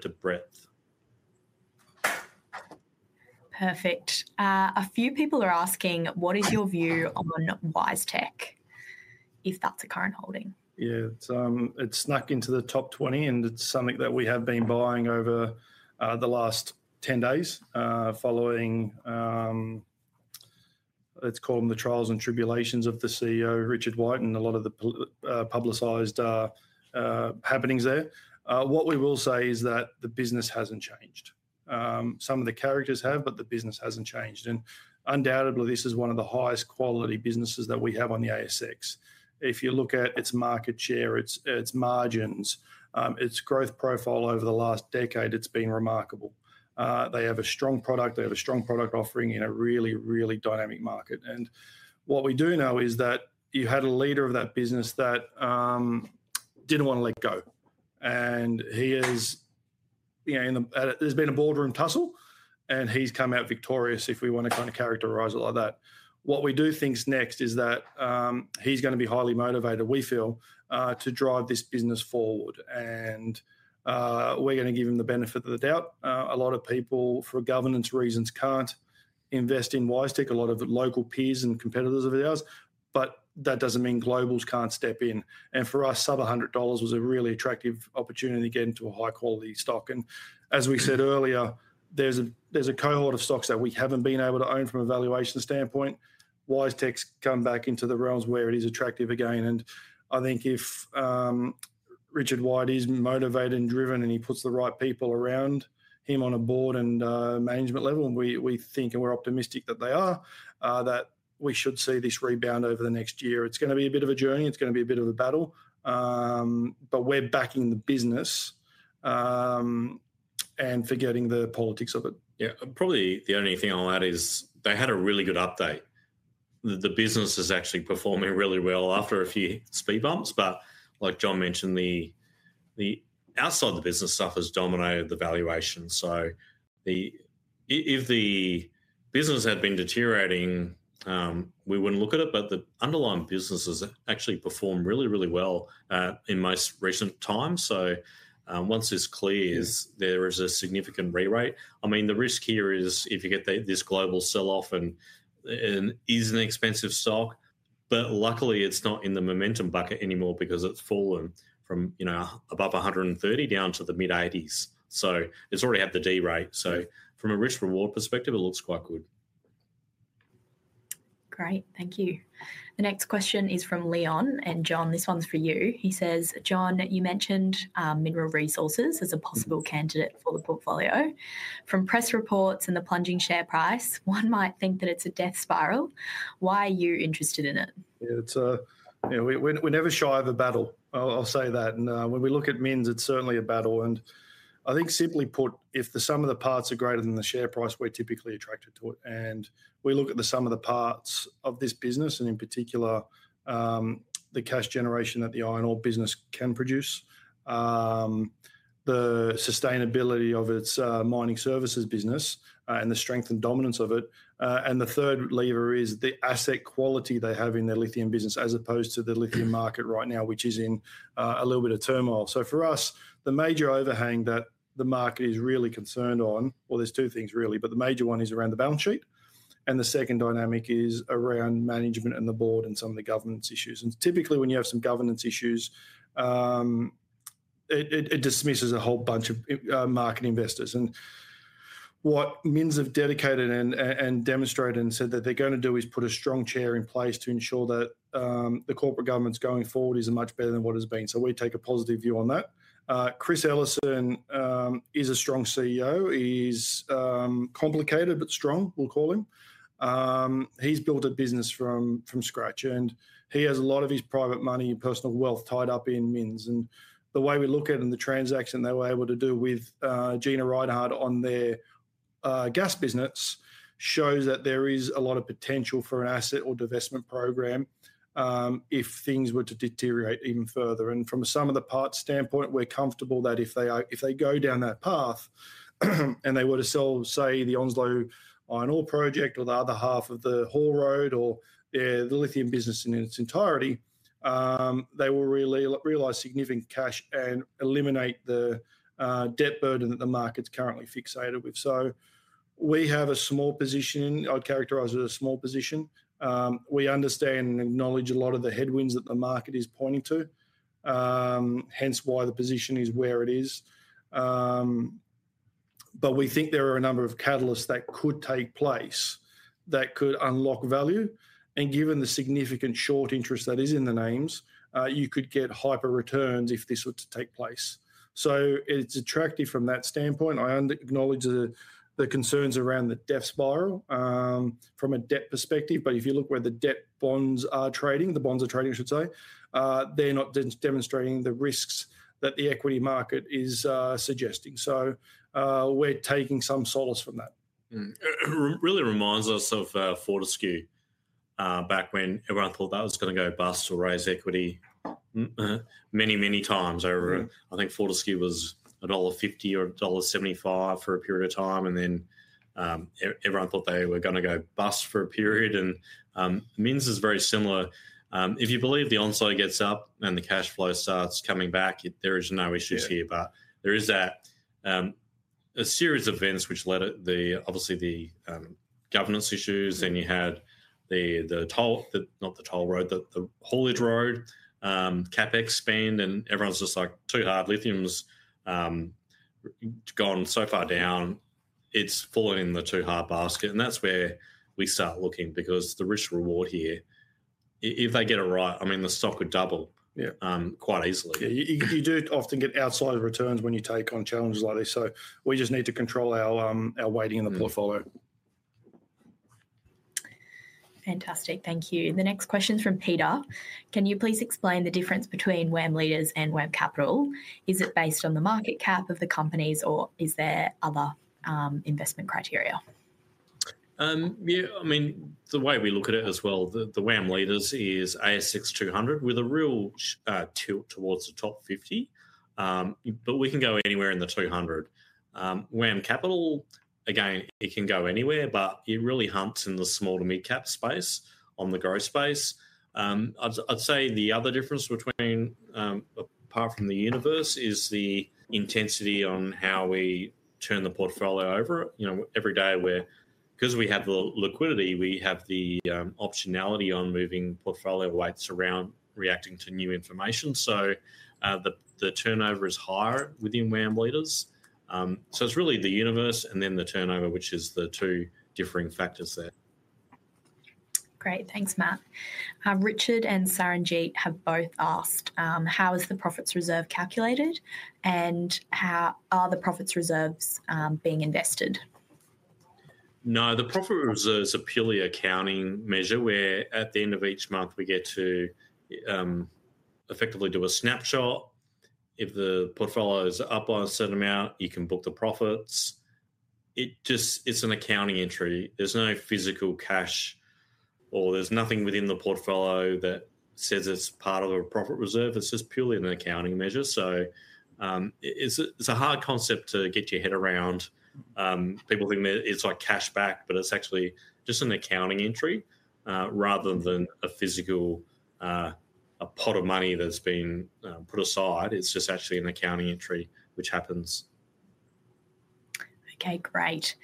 to breadth. Perfect. A few people are asking, what is your view on WiseTech, if that's a current holding? Yeah. It snuck into the top 20, and it's something that we have been buying over the last 10 days, following, let's call them the trials and tribulations of the CEO, Richard White, and a lot of the publicized happenings there. What we will say is that the business hasn't changed. Some of the characters have, but the business hasn't changed. Undoubtedly, this is one of the highest quality businesses that we have on the ASX. If you look at its market share, its margins, its growth profile over the last decade, it's been remarkable. They have a strong product. They have a strong product offering in a really, really dynamic market. What we do know is that you had a leader of that business that didn't want to let go. There's been a boardroom tussle, and he's come out victorious if we want to kind of characterize it like that. What we do think's next is that he's going to be highly motivated, we feel, to drive this business forward. We're going to give him the benefit of the doubt. A lot of people, for governance reasons, can't invest in WiseTech, a lot of local peers and competitors of ours, but that doesn't mean globals can't step in. For us, sub-AUD 100 was a really attractive opportunity to get into a high-quality stock. As we said earlier, there's a cohort of stocks that we haven't been able to own from a valuation standpoint. WiseTech's come back into the realms where it is attractive again, and I think Richard White is motivated and driven, and he puts the right people around him on a board and management level, and we think and we're optimistic that they are, that we should see this rebound over the next year. It's going to be a bit of a journey, it's going to be a bit of a battle, but we're backing the business, and forgetting the politics of it. Probably the only thing I'll add is they had a really good update. The business is actually performing really well after a few speed bumps, but like John mentioned, the outside the business stuff has dominated the valuation. If the business had been deteriorating, we wouldn't look at it, but the underlying business has actually performed really well in most recent times. Once this clears, there is a significant rerate. The risk here is if you get this global sell-off and is an expensive stock, but luckily it's not in the momentum bucket anymore because it's fallen from above 130 down to the mid-80s. It's already had the derate. From a risk-reward perspective, it looks quite good. Great. Thank you. The next question is from Leon. John, this one's for you. He says, "John, you mentioned Mineral Resources as a possible candidate for the portfolio. From press reports and the plunging share price, one might think that it's a death spiral. Why are you interested in it? Yeah. We're never shy of a battle, I'll say that. When we look at MIN, it's certainly a battle. I think simply put, if the sum of the parts are greater than the share price, we're typically attracted to it. We look at the sum of the parts of this business, in particular, the cash generation that the iron ore business can produce, the sustainability of its mining services business and the strength and dominance of it. The third lever is the asset quality they have in their lithium business as opposed to the lithium market right now, which is in a little bit of turmoil. For us, the major overhang that the market is really concerned on, well, there's two things really, but the major one is around the balance sheet, and the second dynamic is around management and the board and some of the governance issues. Typically, when you have some governance issues, it dismisses a whole bunch of market investors. What MINs have dedicated and demonstrated and said that they're going to do is put a strong chair in place to ensure that the corporate governance going forward is much better than what it has been. We take a positive view on that. Chris Ellison is a strong CEO. He's complicated but strong, we'll call him. He's built a business from scratch, and he has a lot of his private money and personal wealth tied up in MINs. The way we look at it and the transaction they were able to do with Gina Rinehart on their gas business shows that there is a lot of potential for an asset or divestment program, if things were to deteriorate even further. From sum of the parts standpoint, we are comfortable that if they go down that path and they were to sell, say, the Onslow Iron Ore project or the other half of the Haul Road or the lithium business in its entirety, they will realize significant cash and eliminate the debt burden that the market is currently fixated with. We have a small position. I would characterize it as a small position. We understand and acknowledge a lot of the headwinds that the market is pointing to, hence why the position is where it is. We think there are a number of catalysts that could take place that could unlock value. Given the significant short interest that is in the names, you could get hyper returns if this were to take place. It's attractive from that standpoint. I acknowledge the concerns around the death spiral, from a debt perspective. If you look where the debt bonds are trading, the bonds are trading, I should say, they're not demonstrating the risks that the equity market is suggesting. We're taking some solace from that. It really reminds us of Fortescue back when everyone thought that was going to go bust or raise equity many times over. I think Fortescue was dollar 1.50 or dollar 1.75 for a period of time, then everyone thought they were going to go bust for a period, and MINs is very similar. If you believe the Onslow gets up and the cash flow starts coming back, there is no issues here. There is that, a series of events which led it, obviously the governance issues, then you had not the toll road, but the Haulage Road CapEx spend, and everyone's just like, "too hard Lithium's gone so far down it's falling in the too hard basket." That's where we start looking because the risk/reward here, if they get it right, the stock could double. Yeah quite easily. You do often get outsized returns when you take on challenges like this, so we just need to control our weighting in the portfolio. Fantastic. Thank you. The next question's from Peter: "Can you please explain the difference between WAM Leaders and WAM Capital? Is it based on the market cap of the companies, or is there other investment criteria? The way we look at it as well, the WAM Leaders is ASX 200 with a real tilt towards the top 50. We can go anywhere in the 200. WAM Capital, again, it can go anywhere, but it really hunts in the small to mid-cap space on the growth space. I'd say the other difference between, apart from the universe, is the intensity on how we turn the portfolio over it. Every day, because we have the liquidity, we have the optionality on moving portfolio weights around reacting to new information. The turnover is higher within WAM Leaders. It's really the universe and then the turnover, which is the two differing factors there. Great. Thanks, Matt. Richard and Saranjeet have both asked, how is the profits reserve calculated, and how are the profits reserves being invested? The profit reserve's a purely accounting measure where at the end of each month, we get to effectively do a snapshot. If the portfolio's up by a certain amount, you can book the profits. It's an accounting entry. There's no physical cash, or there's nothing within the portfolio that says it's part of the profit reserve. It's just purely an accounting measure. It's a hard concept to get your head around. People think that it's like cash back, but it's actually just an accounting entry rather than a physical pot of money that's been put aside. It's just actually an accounting entry which happens. Okay, great.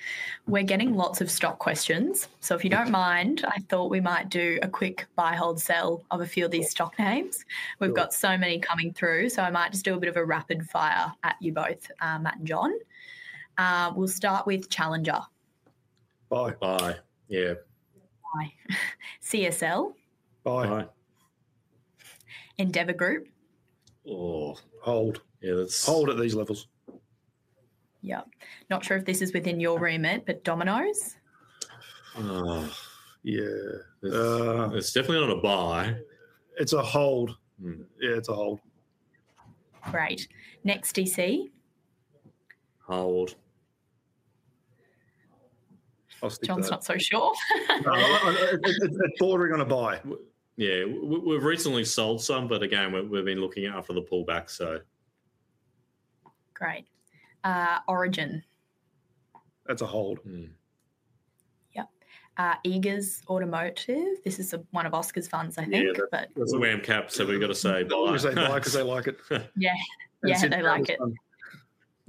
We're getting lots of stock questions. If you don't mind, I thought we might do a quick buy, hold, sell on a few of these stock names. Sure. We've got so many coming through, so I might just do a bit of a rapid-fire at you both, Matt and John. We'll start with Challenger. Buy. Buy. Yeah. Buy. CSL? Buy. Buy. Endeavour Group? Oh, hold. Yeah. Hold at these levels. Yeah. Not sure if this is within your remit, but Domino's? Yeah. It's definitely not a buy. It's a hold. Yeah, it's a hold. Great. Next, DSE? Hold. I'll stick with- John's not so sure. No, I thought we were going to buy. Yeah. We've recently sold some, but again, we've been looking out for the pullback. Great. Origin? That's a hold. Yep. Eagers Automotive. This is one of Oscar's finds, I think. Yeah. It's a WAM Capital, so we've got to say buy. We've got to say buy because they like it. Yeah. Yeah, they like it.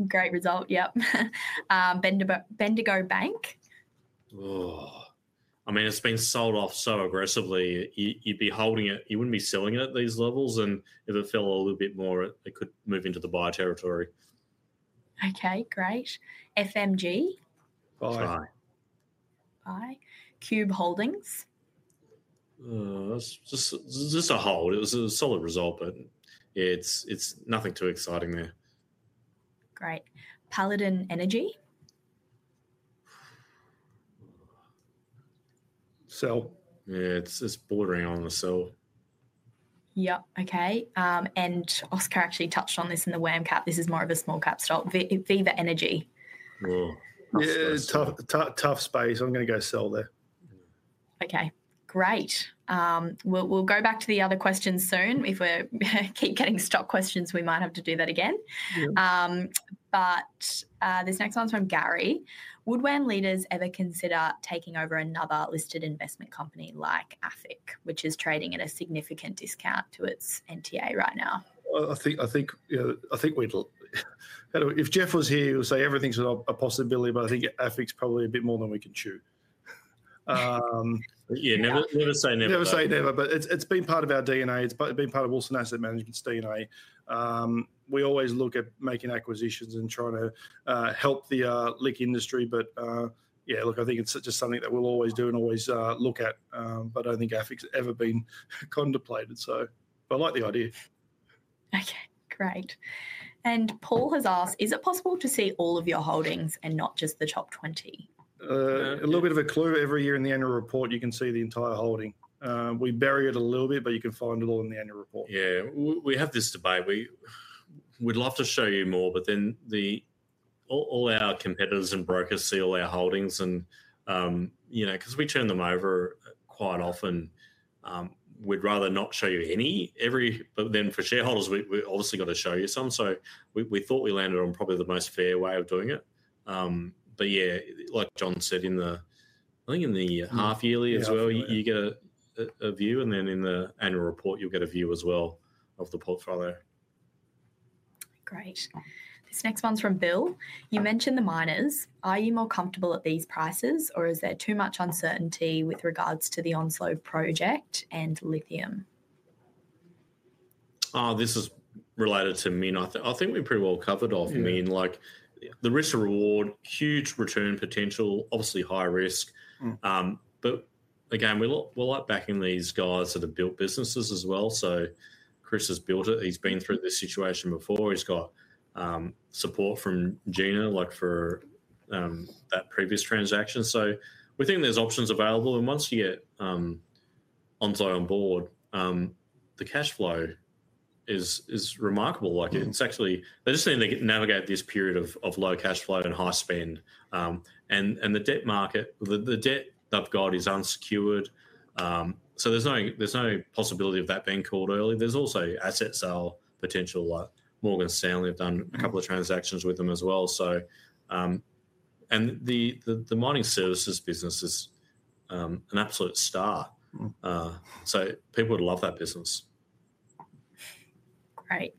Great result, yeah. Bendigo Bank? It's been sold off so aggressively. You'd be holding it. You wouldn't be selling at these levels, and if it fell a little bit more, it could move into the buy territory. Okay, great. Fortescue? Buy. Buy. Buy. Qube Holdings? Just a hold. It's a solid result, but it's nothing too exciting there. Great. Paladin Energy? Sell. Yeah, it's bordering on the sell. Yeah. Okay. Oscar actually touched on this in the WAM Cap. This is more of a small-cap stock. Viva Energy. Well Yeah. Tough space. I'm going to go sell there. Okay, great. We'll go back to the other questions soon. If we keep getting stock questions, we might have to do that again. Yeah. This next one's from Gary. Would WAM Leaders ever consider taking over another listed investment company like AFIC, which is trading at a significant discount to its NTA right now? If Geoff was here, he would say everything's a possibility, but I think AFIC's probably a bit more than we can chew. Yeah, never say never. Never say never, it's been part of our DNA. It's been part of Wilson Asset Management's DNA. We always look at making acquisitions and trying to help the LIC industry. Yeah, look, I think it's just something that we'll always do and always look at. I don't think AFIC's ever been contemplated. I like the idea. Okay, great. Paul has asked, is it possible to see all of your holdings and not just the top 20? A little bit of a clue. Every year in the annual report, you can see the entire holding. We bury it a little bit, but you can find it all in the annual report. Yeah. We have this debate. We'd love to show you more, but then all our competitors and brokers see all our holdings, and because we turn them over quite often, we'd rather not show you any. For shareholders, we've obviously got to show you some. We thought we landed on probably the most fair way of doing it. Yeah, like John said, I think in the half yearly as well. Yeah You get a view, and then in the annual report you'll get a view as well of the portfolio. Great. This next one's from Bill. You mentioned the miners. Are you more comfortable at these prices, or is there too much uncertainty with regards to the Onslow project and lithium? This is related to Min. I think we pretty well covered off Min. Yeah. The risk/reward, huge return potential, obviously high risk. Again, we like backing these guys that have built businesses as well. Chris has built it. He's been through this situation before. He's got support from Gina, like for that previous transaction. We think there's options available, and once you get Onslow on board, the cash flow is remarkable. They just need to navigate this period of low cash flow and high spend. The debt they've got is unsecured, so there's no possibility of that being called early. There's also asset sale potential, like Morgan Stanley have done a couple of transactions with them as well. The mining services business is an absolute star. People love that business. Great.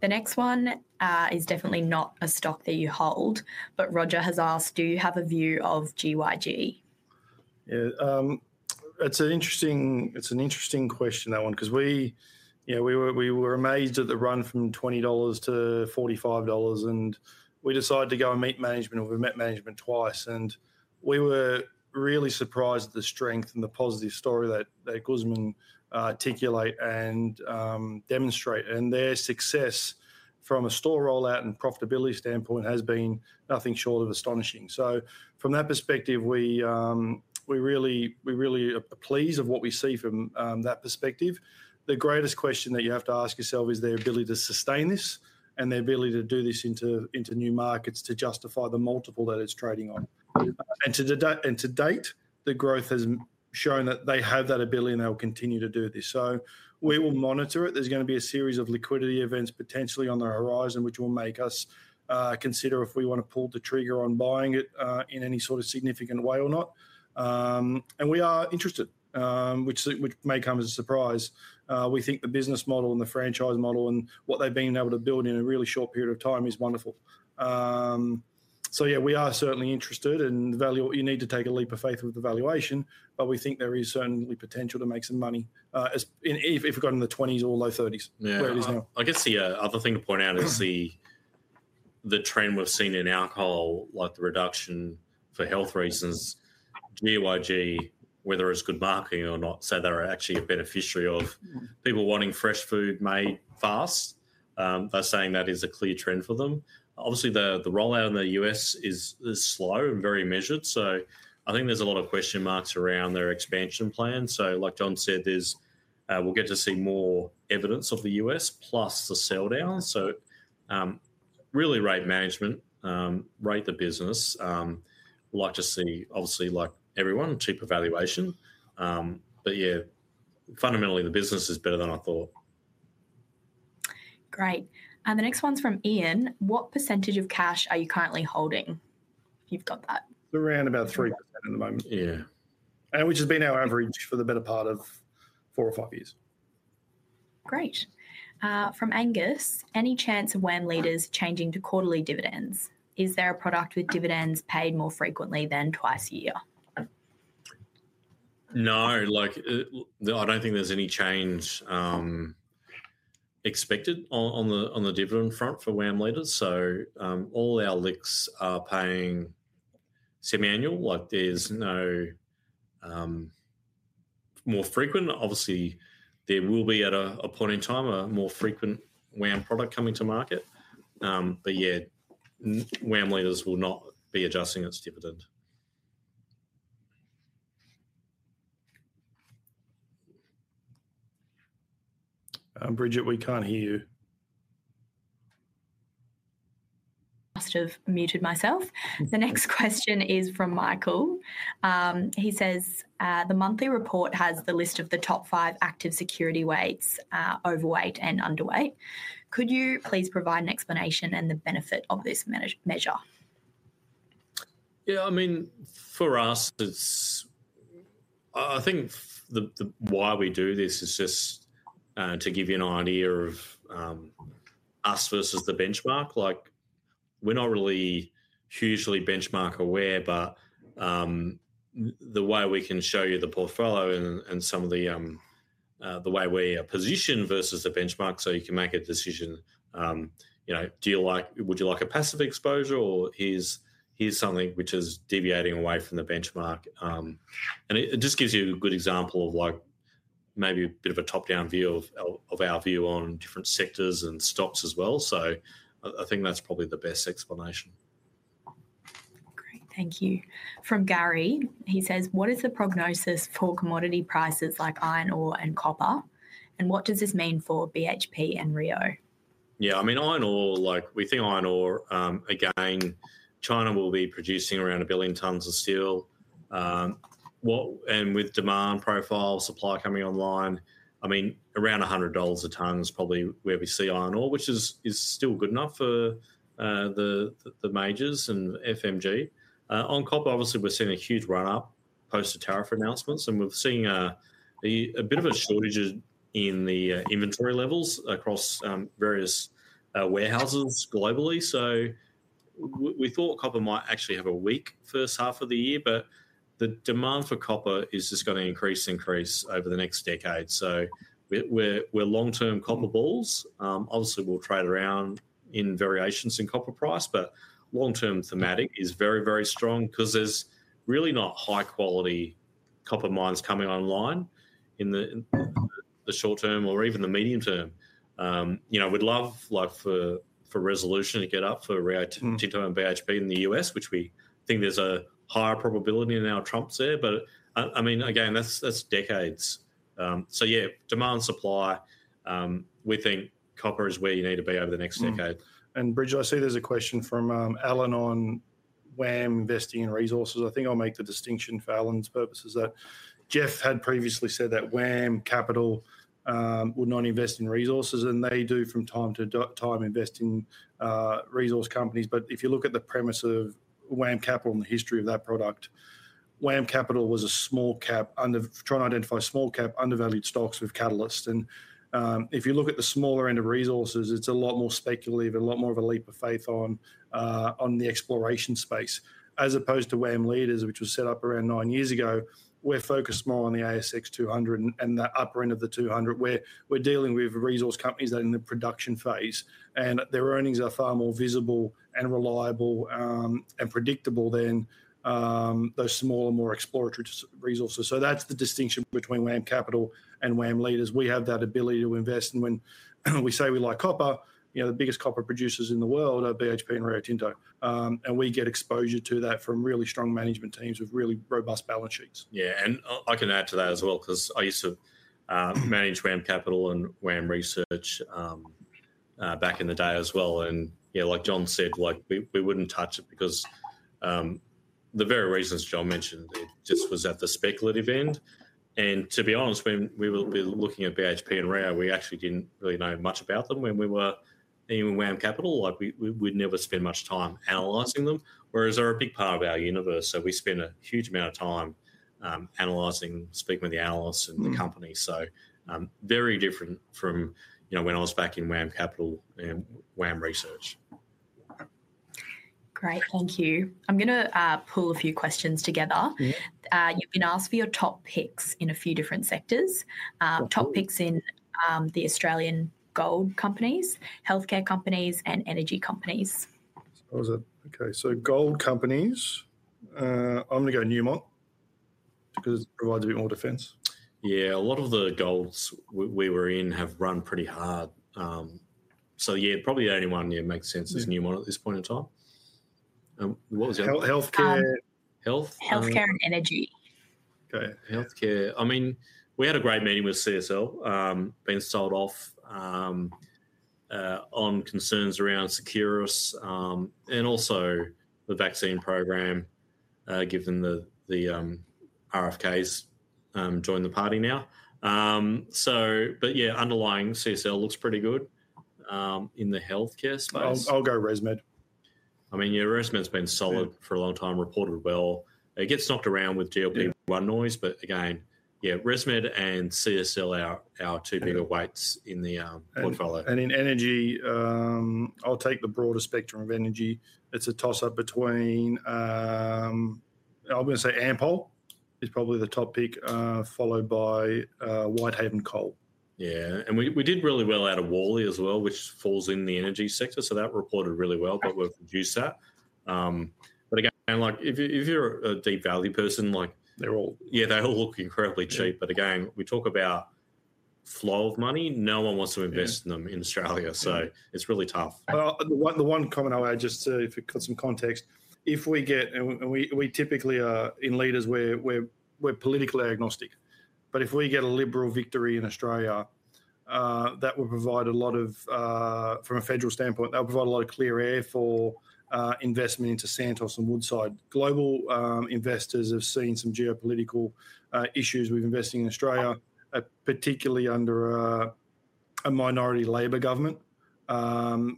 The next one is definitely not a stock that you hold, but Roger has asked, do you have a view of GYG? Yeah. It's an interesting question, that one, because we were amazed at the run from 20 dollars to 45 dollars, we decided to go and meet management, and we met management twice. We were really surprised at the strength and the positive story that Guzman articulate and demonstrate. Their success from a store rollout and profitability standpoint has been nothing short of astonishing. From that perspective, we're really pleased with what we see from that perspective. The greatest question that you have to ask yourself is their ability to sustain this and their ability to do this into new markets to justify the multiple that it's trading on. To date, the growth has shown that they have that ability and they'll continue to do this. We will monitor it. There's going to be a series of liquidity events potentially on the horizon, which will make us consider if we want to pull the trigger on buying it, in any sort of significant way or not. We are interested, which may come as a surprise. We think the business model and the franchise model and what they've been able to build in a really short period of time is wonderful. Yeah, we are certainly interested and you need to take a leap of faith with the valuation, but we think there is certainly potential to make some money, if you go in the 20s or low 30s. Yeah. I guess the other thing to point out is the trend we've seen in alcohol, like the reduction for health reasons, new IG, whether it's good marketing or not. They're actually a beneficiary of people wanting fresh food made fast. They're saying that is a clear trend for them. Obviously, the rollout in the U.S. is slow and very measured. I think there's a lot of question marks around their expansion plan. Like John said, we'll get to see more evidence of the U.S. plus the sell-down. really rate management, rate the business. We'll like to see, obviously like everyone, cheaper valuation. Yeah, fundamentally the business is better than I thought. Great. The next one's from Ian. What percentage of cash are you currently holding? You've got that. Around about 3% at the moment. Yeah. Which has been our average for the better part of four or five years. Great. From Angus. Any chance of WAM Leaders changing to quarterly dividends? Is there a product with dividends paid more frequently than twice a year? No. I don't think there's any change expected on the dividend front for WAM Leaders. All our LICs are paying semi-annual. There's no more frequent. Obviously, there will be at a point in time a more frequent WAM product coming to market. Yeah, WAM Leaders will not be adjusting its dividend. Bridget, we can't hear you. Must have muted myself. The next question is from Michael. He says, "The monthly report has the list of the top five active security weights, overweight and underweight. Could you please provide an explanation and the benefit of this measure? For us, I think why we do this is just to give you an idea of us versus the benchmark. We're not really hugely benchmark aware, the way we can show you the portfolio and some of the way we are positioned versus the benchmark so you can make a decision. Would you like a passive exposure or here's something which is deviating away from the benchmark? It just gives you a good example of maybe a bit of a top-down view of our view on different sectors and stocks as well. I think that's probably the best explanation. Great. Thank you. From Gary. He says, "What is the prognosis for commodity prices like iron ore and copper, and what does this mean for BHP and Rio? Yeah, we think iron ore, again, China will be producing around 1 billion tons of steel. With demand profile, supply coming online, around 100 dollars a ton is probably where we see iron ore, which is still good enough for the majors and FMG. On copper, obviously we're seeing a huge run-up post the tariff announcements, and we're seeing a bit of a shortage in the inventory levels across various warehouses globally. We thought copper might actually have a weak first half of the year, but the demand for copper is just going to increase and increase over the next decade. We're long-term copper bulls. Obviously, we'll trade around in variations in copper price, but long-term thematic is very, very strong because there's really not high-quality copper mines coming online in the short term or even the medium term. We'd love for Resolution to get up for Rio Tinto and BHP in the U.S., which we think there's a higher probability now Trump's there. Again, that's decades. Yeah, demand and supply, we think copper is where you need to be over the next decade. Bridget, I see there's a question from Alan on WAM investing in resources. I think I'll make the distinction for Alan's purposes that Geoff had previously said that WAM Capital would not invest in resources, and they do from time to time invest in resource companies. If you look at the premise of WAM Capital and the history of that product, WAM Capital was trying to identify small-cap, undervalued stocks with catalysts. If you look at the smaller end of resources, it's a lot more speculative, a lot more of a leap of faith on the exploration space as opposed to WAM Leaders, which was set up around nine years ago. We're focused more on the ASX 200 and the upper end of the 200, where we're dealing with resource companies that are in the production phase, their earnings are far more visible and reliable, and predictable than those smaller, more exploratory resources. That's the distinction between WAM Capital and WAM Leaders. We have that ability to invest. When we say we like copper, the biggest copper producers in the world are BHP and Rio Tinto. We get exposure to that from really strong management teams with really robust balance sheets. Yeah. I can add to that as well, because I used to manage WAM Capital and WAM Research back in the day as well. Like John said, we wouldn't touch it because the very reasons John mentioned, it just was at the speculative end. To be honest, when we were looking at BHP and Rio, we actually didn't really know much about them when we were in WAM Capital. We'd never spend much time analyzing them, whereas they're a big part of our universe, so we spend a huge amount of time analyzing, speaking with the analysts and the company. Very different from when I was back in WAM Capital and WAM Research. Great. Thank you. I'm going to pull a few questions together. Yeah. You've been asked for your top picks in a few different sectors. Top picks. Top picks in the Australian gold companies, healthcare companies, and energy companies. How was that? Okay, gold companies, I'm going to go Newmont because it provides a bit more defense. Yeah. A lot of the golds we were in have run pretty hard. Yeah, probably the only one that makes sense is Newmont at this point in time. What was the other one? Healthcare. Health? Healthcare and energy. Okay. Healthcare. I mean, we had a great meeting with CSL. Banks started off on concerns around Seqirus, and also the vaccine program, given the RFK's joined the party now. Yeah, underlying CSL looks pretty good, in the healthcare space. I'll go ResMed. I mean, yeah, ResMed's been solid for a long time, reported well. It gets knocked around with GLP-1 noise, again, yeah, ResMed and CSL are our two bigger weights in the portfolio. In energy, I'll take the broader spectrum of energy. It's a toss-up between, I'm going to say Ampol is probably the top pick, followed by Whitehaven Coal. Yeah. We did really well out of Worley as well, which falls in the energy sector. That reported really well, but we've reduced that. Again, if you're a deep value person, they all look incredibly cheap. Again, we talk about flow of money. No one wants to invest in them in Australia, it's really tough. The one comment I'll add, just for some context, and we typically are in WAM Leaders, we're politically agnostic. If we get a Liberal victory in Australia, from a federal standpoint, that'll provide a lot of clear air for investment into Santos and Woodside. Global investors have seen some geopolitical issues with investing in Australia, particularly under a minority Labor government,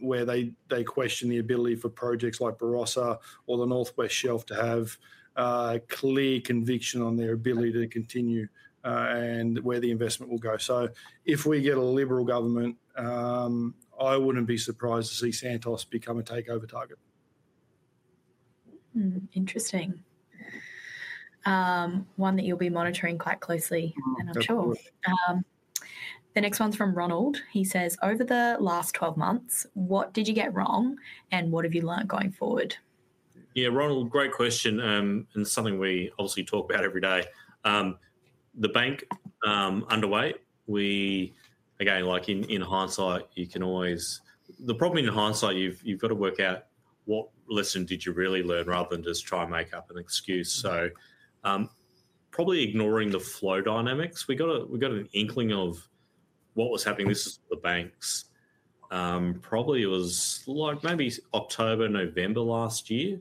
where they question the ability for projects like Barossa or the North West Shelf to have clear conviction on their ability to continue and where the investment will go. If we get a Liberal government, I wouldn't be surprised to see Santos become a takeover target. Interesting. One that you'll be monitoring quite closely, I'm sure. Of course. The next one's from Ronald. He says, "Over the last 12 months, what did you get wrong, and what have you learned going forward? Ronald, great question, something we obviously talk about every day. The bank underweight. Again, in hindsight, the problem in hindsight, you've got to work out what lesson did you really learn rather than just try and make up an excuse. Probably ignoring the flow dynamics. We got an inkling of what was happening with the banks. Probably it was maybe October, November last year.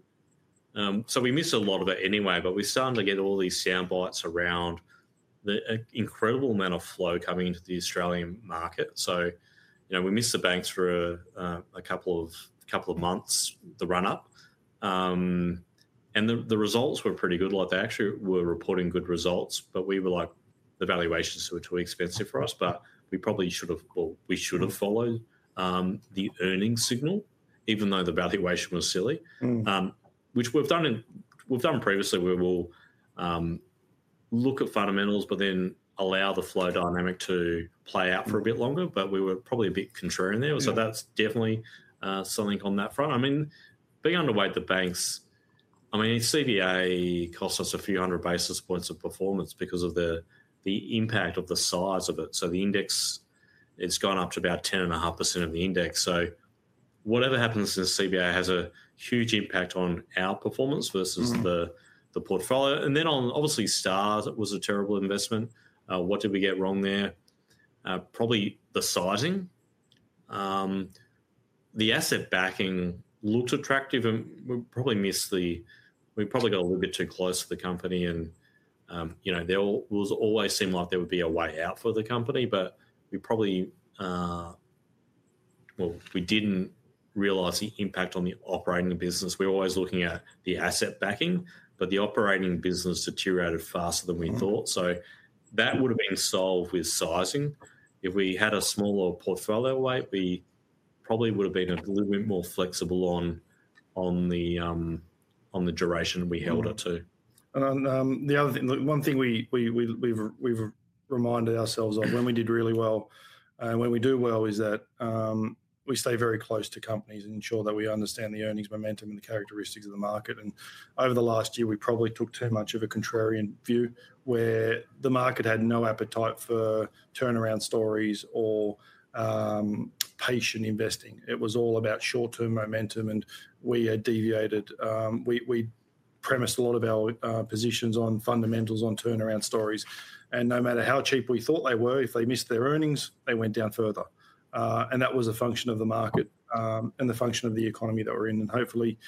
We missed a lot of it anyway, but we're starting to get all these soundbites around the incredible amount of flow coming into the Australian market. We missed the banks for a couple of months, the run-up. The results were pretty good. They actually were reporting good results, we were like, "The valuations are too expensive for us." We probably should've followed the earnings signal, even though the valuation was silly, which we've done previously, where we'll look at fundamentals then allow the flow dynamic to play out for a bit longer. We were probably a bit contrarian there. That's definitely something on that front. I mean, being underweight the banks, CBA cost us a few hundred basis points of performance because of the impact of the size of it. The index, it's gone up to about 10.5% of the index. Whatever happens to the CBA has a huge impact on our performance versus the portfolio. Then on obviously Star, that was a terrible investment. What did we get wrong there? The asset backing looked attractive and we probably got a little bit too close to the company and it always seemed like there would be a way out for the company, but we didn't realize the impact on the operating business. We were always looking at the asset backing, but the operating business deteriorated faster than we thought. That would've been solved with sizing. If we had a smaller portfolio weight, we probably would've been a little bit more flexible on the duration we held it to. The other thing, one thing we've reminded ourselves of when we did really well and when we do well, is that we stay very close to companies, ensure that we understand the earnings momentum and characteristics of the market. Over the last year, we probably took too much of a contrarian view where the market had no appetite for turnaround stories or patient investing. It was all about short-term momentum and we had deviated. We'd premised a lot of our positions on fundamentals, on turnaround stories, and no matter how cheap we thought they were, if they missed their earnings, they went down further. That was a function of the market, and a function of the economy that we're in. Hopefully,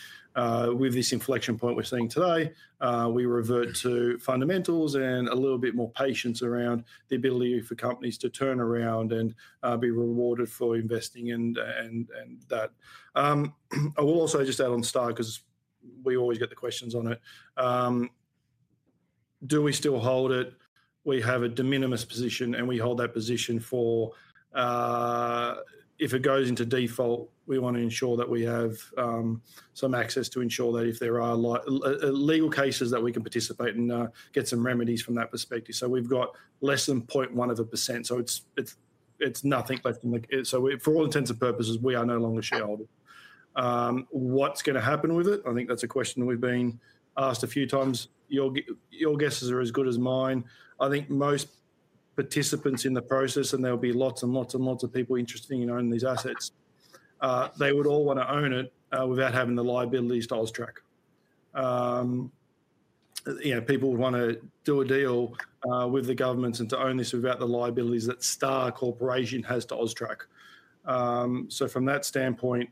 with this inflection point we're seeing today, we revert to fundamentals and a little bit more patience around the ability for companies to turn around and be rewarded for investing in that. I will also just add on The Star, because we always get questions on it. Do we still hold it? We have a de minimis position and we hold that position for, if it goes into default, we want to ensure that we have some access to ensure that if there are legal cases that we can participate and get some remedies from that perspective. We've got less than 0.1%. It's nothing. For all intents and purposes, we are no longer shareholder. What's going to happen with it? I think that's a question that we've been asked a few times. Your guesses are as good as mine. I think most participants in the process, and there'll be lots and lots and lots of people interested in owning these assets. They would all want to own it without having the liabilities to AUSTRAC. People want to do a deal with the government and to own this without the liabilities that Star Corporation has to AUSTRAC. From that standpoint,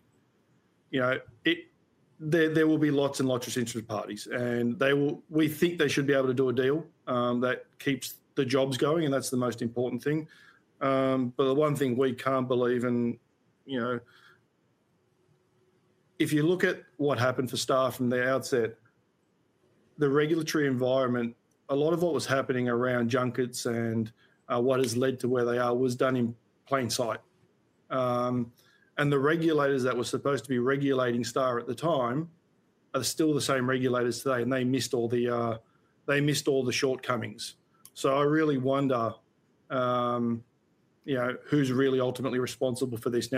there will be lots and lots of interested parties and we think they should be able to do a deal that keeps the jobs going, and that's the most important thing. The one thing we can't believe in, if you look at what happened to Star from the outset, the regulatory environment, a lot of what was happening around junkets and what has led to where they are, was done in plain sight. The regulators that were supposed to be regulating Star at the time are still the same regulators today, and they missed all the shortcomings. I really wonder who's really ultimately responsible for this.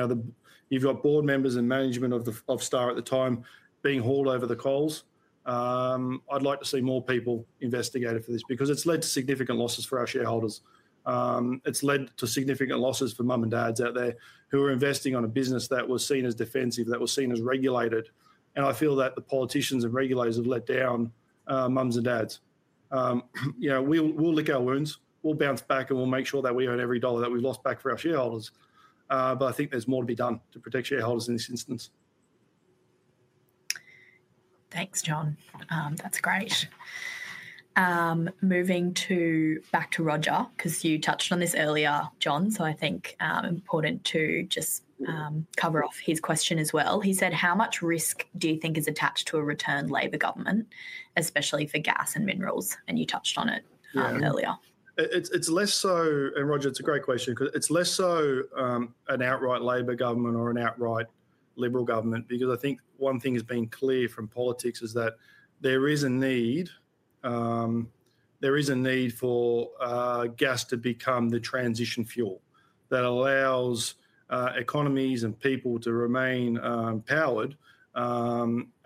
You've got board members and management of Star at the time being hauled over the coals. I'd like to see more people investigated for this because it's led to significant losses for our shareholders. It's led to significant losses for mum and dads out there who are investing in a business that was seen as defensive, that was seen as regulated, and I feel that the politicians and regulators have let down mums and dads. We'll lick our wounds, we'll bounce back, and we'll make sure that we earn every dollar that we've lost back for our shareholders. I think there's more to be done to protect shareholders in this instance. Thanks, John. That's great. Moving back to Roger, because you touched on this earlier, John, I think important to just cover off his question as well. He said, "How much risk do you think is attached to a returned Labor government, especially for gas and minerals?" You touched on it earlier. Roger, it's a great question because it's less so an outright Labor government or an outright Liberal government because I think one thing has been clear from politics is that there is a need for gas to become the transition fuel that allows economies and people to remain powered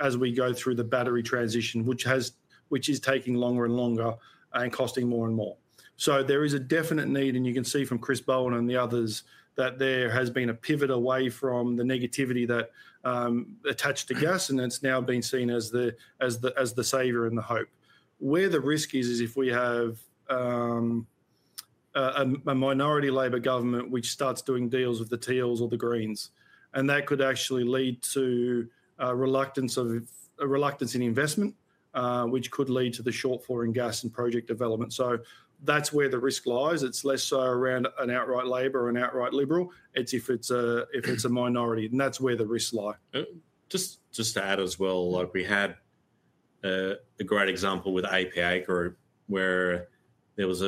as we go through the battery transition, which is taking longer and longer and costing more and more. There is a definite need, and you can see from Chris Bowen and the others that there has been a pivot away from the negativity that attached to gas, and it's now being seen as the savior and the hope. Where the risk is if we have a minority Labor government which starts doing deals with the Teals or the Greens, and that could actually lead to a reluctance in investment, which could lead to the short-fall in gas and project development. That's where the risk lies. It's less so around an outright Labor or an outright Liberal. It's if it's a minority, and that's where the risks lie. Just to add as well, we had a great example with APA Group where there was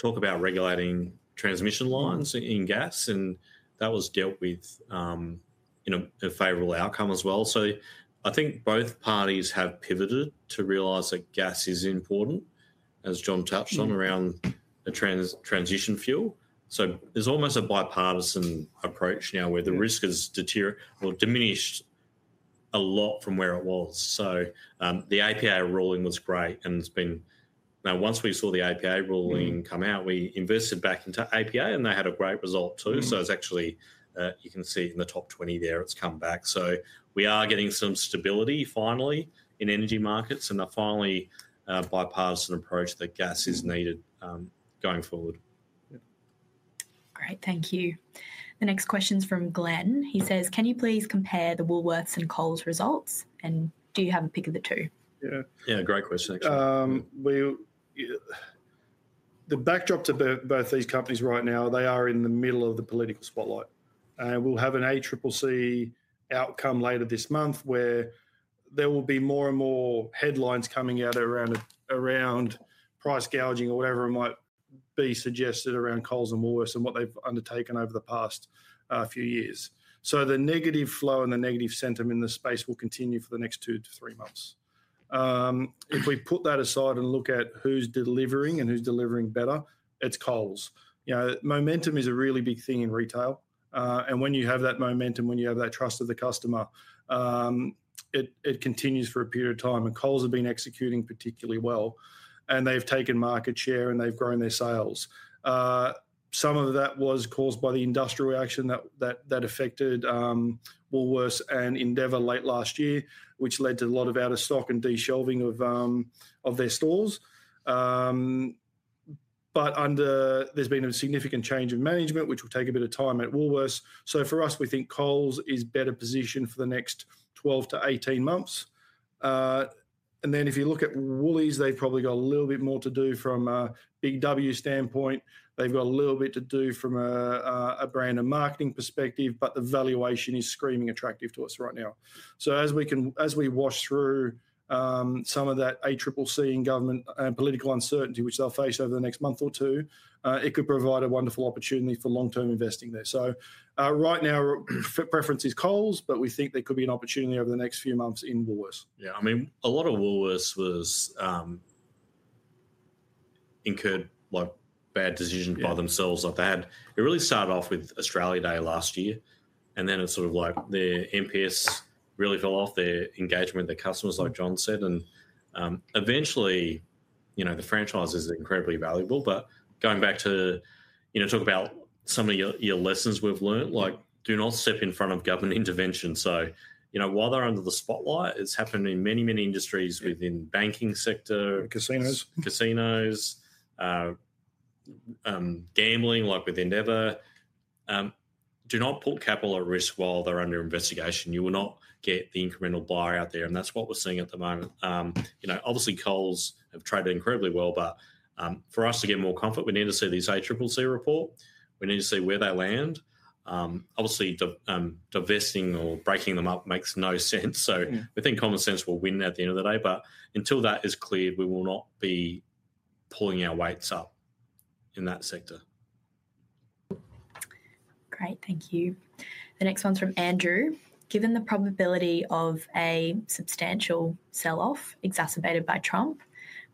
talk about regulating transmission lines in gas, and that was dealt with in a favorable outcome as well. I think both parties have pivoted to realize that gas is important, as John touched on, around the transition fuel. There's almost a bipartisan approach now where the risk has diminished a lot from where it was. The APA ruling was great and once we saw the APA ruling come out, we invested back into APA, and they had a great result too. It's actually, you can see in the top 20 there, it's come back. We are getting some stability finally in energy markets and a finally bipartisan approach that gas is needed going forward. Great. Thank you. The next question's from Glenn. He says, "Can you please compare the Woolworths and Coles results, and do you have a pick of the two? Yeah. Yeah, great question, actually. The backdrop to both these companies right now, they are in the middle of the political spotlight. We'll have an ACCC outcome later this month where there will be more and more headlines coming out around price gouging or whatever might be suggested around Coles and Woolworths and what they've undertaken over the past few years. The negative flow and the negative sentiment in the space will continue for the next two to three months. If we put that aside and look at who's delivering and who's delivering better, it's Coles. Momentum is a really big thing in retail. When you have that momentum, when you have that trust of the customer, it continues for a period of time. Coles have been executing particularly well, and they've taken market share and they've grown their sales. Some of that was caused by the industrial action that affected Woolworths and Endeavour late last year, which led to a lot of out of stock and de-shelving of their stores. There's been a significant change of management, which will take a bit of time at Woolworths. For us, we think Coles is better positioned for the next 12-18 months. If you look at Woolies, they've probably got a little bit more to do from a Big W standpoint. They've got a little bit to do from a brand and marketing perspective, but the valuation is screaming attractive to us right now. As we wash through some of that ACCC and government and political uncertainty which they'll face over the next month or two, it could provide a wonderful opportunity for long-term investing there. Right now, our preference is Coles, but we think there could be an opportunity over the next few months in Woolworths. Yeah. A lot of Woolworths was incurred bad decision by themselves. It really started off with Australia Day last year, and then their NPS really fell off, their engagement with the customers, like John said. Eventually, the franchise is incredibly valuable. Going back to talk about some of your lessons we've learned, do not step in front of government intervention. While they're under the spotlight, it's happened in many, many industries within banking sector. Casinos. Casinos, gambling, like with Endeavour. Do not put capital at risk while they're under investigation. You will not get the incremental buyer out there, and that's what we're seeing at the moment. Obviously, Coles have traded incredibly well. For us to get more comfort, we need to see this ACCC report. We need to see where they land. Obviously, divesting or breaking them up makes no sense. We think common sense will win at the end of the day. Until that is cleared, we will not be pulling our weights up in that sector. Great. Thank you. The next one's from Andrew. "Given the probability of a substantial sell-off exacerbated by Trump,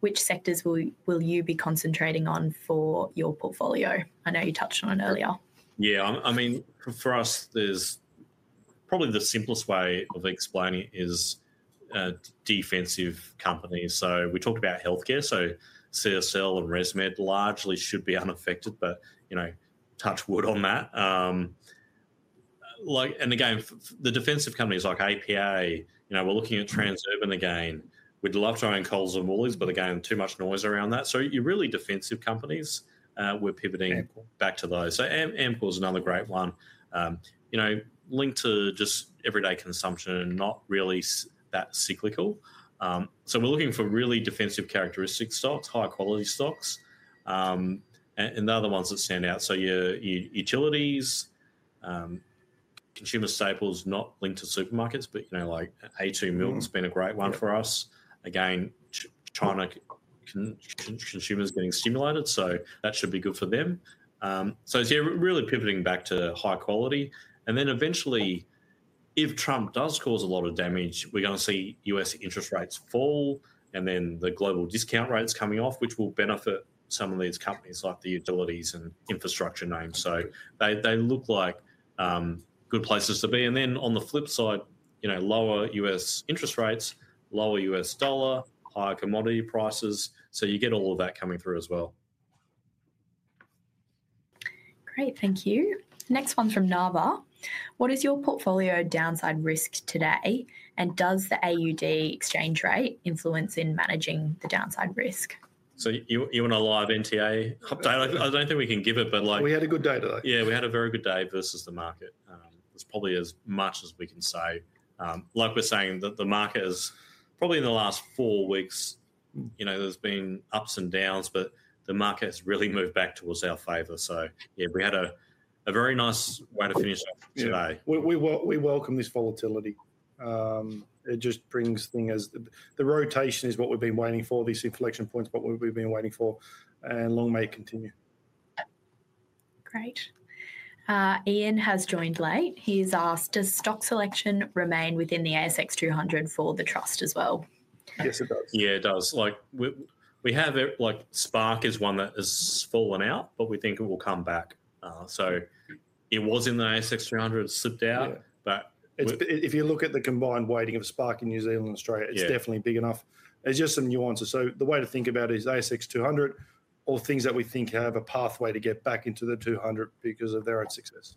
which sectors will you be concentrating on for your portfolio?" I know you touched on it earlier. Yeah. For us, probably the simplest way of explaining it is defensive companies. We talk about healthcare, so CSL and ResMed largely should be unaffected, but touch wood on that. Again, the defensive companies like APA, we're looking at Transurban again. We'd love to own Coles and Woolies, but again, too much noise around that. Your really defensive companies, we're pivoting back to those. Ampol's another great one. Linked to just everyday consumption and not really that cyclical. We're looking for really defensive characteristic stocks, high-quality stocks, and they're the ones that stand out. Your utilities, consumer staples, not linked to supermarkets, but a2 Milk's been a great one for us. Again, China consumers being stimulated, so that should be good for them. It's really pivoting back to high quality. Eventually, if Trump does cause a lot of damage, we're going to see U.S. interest rates fall and then the global discount rates coming off, which will benefit some of these companies like the utilities and infrastructure names. They look like good places to be. On the flip side, lower U.S. interest rates, lower U.S. dollar, higher commodity prices. You get all of that coming through as well. Great. Thank you. Next one's from Nava. "What is your portfolio downside risk today, and does the AUD exchange rate influence in managing the downside risk? You want a live NTA? Hot take. I don't think we can give it, but like. We had a good day today. Yeah, we had a very good day versus the market. It's probably as much as we can say. Like we're saying, the market has probably in the last four weeks, there's been ups and downs, but the market has really moved back towards our favor. Yeah, we had a very nice way to finish off today. We welcome this volatility. It just brings things. The rotation is what we've been waiting for, these inflection points are what we've been waiting for, long may it continue. Great. Ian has joined late. He's asked, "Does stock selection remain within the ASX 200 for the trust as well? Yes, it does. Yeah, it does. Spark is one that has fallen out, but we think it will come back. It was in the ASX 200, it slipped out. If you look at the combined weighting of Spark New Zealand and Australia, it's definitely big enough. It's just some nuances. The way to think about it is ASX 200 or things that we think have a pathway to get back into the 200 because of their own success.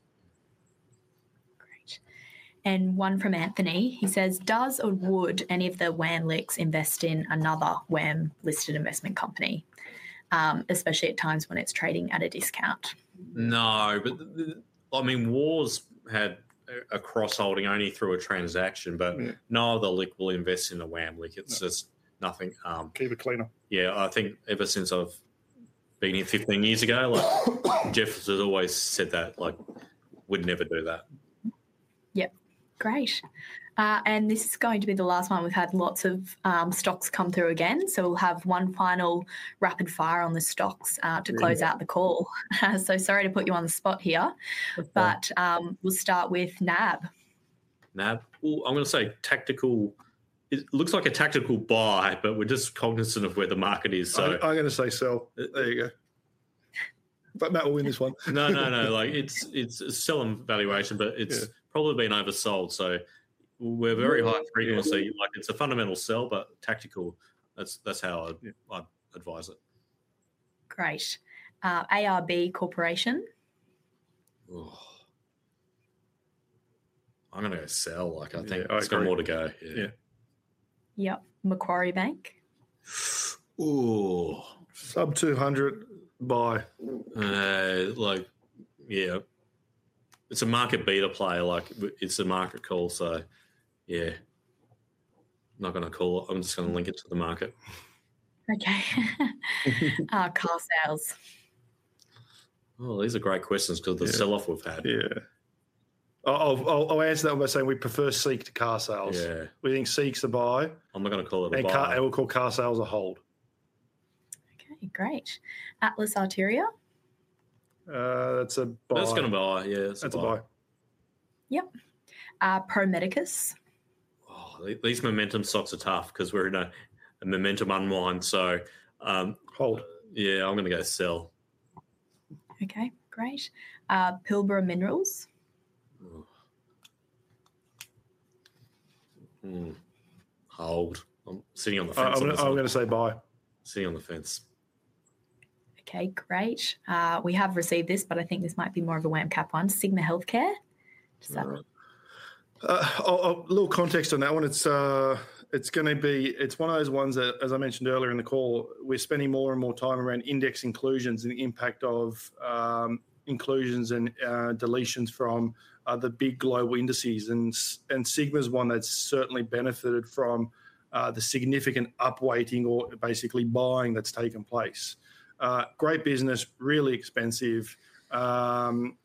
One from Anthony. He says, "Does or would any of the WAM LICs invest in another WAM listed investment company, especially at times when it's trading at a discount? No. WAM's had a cross-holding only through a transaction, but no other LIC will invest in a WAM LIC. Keep it clean. Yeah, I think ever since I've been here 15 years ago, Geoff has always said that we'd never do that. Yep. Great. This is going to be the last one. We've had lots of stocks come through again. We'll have one final rapid fire on the stocks to close out the call. Sorry to put you on the spot here, we'll start with NAB. NAB. I'm going to say tactical. It looks like a tactical buy, but we're just cognizant of where the market is. I'm going to say sell. There you go. Matt will win this one. No. It's still in. Yeah It's probably been oversold. We're very high frequency. It's a fundamental sell, but tactical, that's how I'd advise it. Great. ARB Corporation. I'm going to go sell. I think it's got more to go. Okay. Yeah. Yep. Macquarie Bank. Ooh. Sub AUD 200, buy. Yeah. It's a market beta play. It's a market call, so yeah. I'm just going to link it to the market. Okay. Carsales. Oh, these are great questions because of the sell-off we've had. Yeah. I'll answer that one. I say we prefer SEEK to Carsales. Yeah. We think SEEK's a buy. I'm going to call it a buy. We'll call Carsales a hold. Okay, great. Atlas Arteria. That's a buy. That's got to be a buy, yeah. It's a buy. It's a buy. Yep. Pro Medicus. Oh, these momentum stocks are tough because we're in a momentum unwind. Hold yeah. I'm going to go sell. Okay, great. Pilbara Minerals. Hold. Sitting on the fence. I'm going to say buy. Sitting on the fence. Okay, great. We have received this, I think this might be more of a WAM Capital one. Sigma Healthcare. A little context on that one. It's one of those ones that, as I mentioned earlier in the call, we're spending more and more time around index inclusions and impact of inclusions and deletions from the big global indices. Sigma's one that's certainly benefited from the significant up weighting or basically buying that's taken place. Great business, really expensive. I'm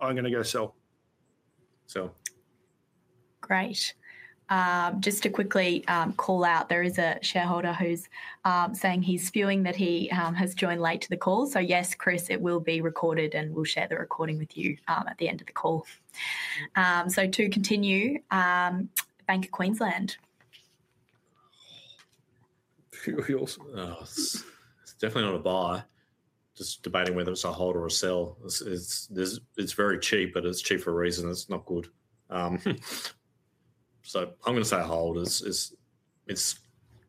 going to go sell. Sell. Great. Just to quickly call out, there is a shareholder who's saying he's fearing that he has joined late to the call. Yes, Chris, it will be recorded, and we'll share the recording with you at the end of the call. To continue, Bank of Queensland. It's definitely not a buy. Just debating whether it's a hold or a sell. It's very cheap, but it's cheap for a reason. It's not good. I'm going to say hold. It's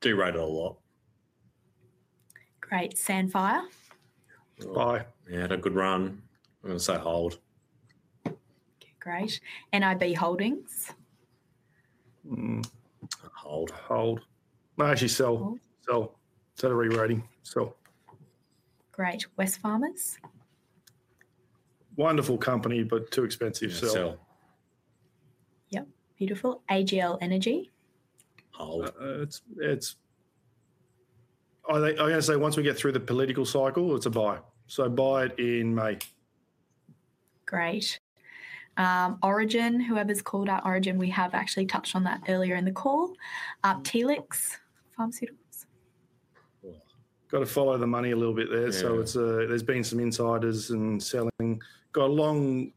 derated a lot. Great. Sandfire. Buy. Yeah, had a good run. I'm going to say hold. Great. NIB Holdings. Hold. Hold. I'm going to actually sell. Sell. It's overrating. Sell. Great. Wesfarmers. Wonderful company, but too expensive. Sell. Sell. Yep. Beautiful. AGL Energy. Hold. I'm going to say once we get through the political cycle, it's a buy. Buy it in May. Great. Origin, whoever's called out Origin, we have actually touched on that earlier in the call. Telix Pharmaceuticals. Got to follow the money a little bit there. Yeah. It's been some insiders and selling. Got a long,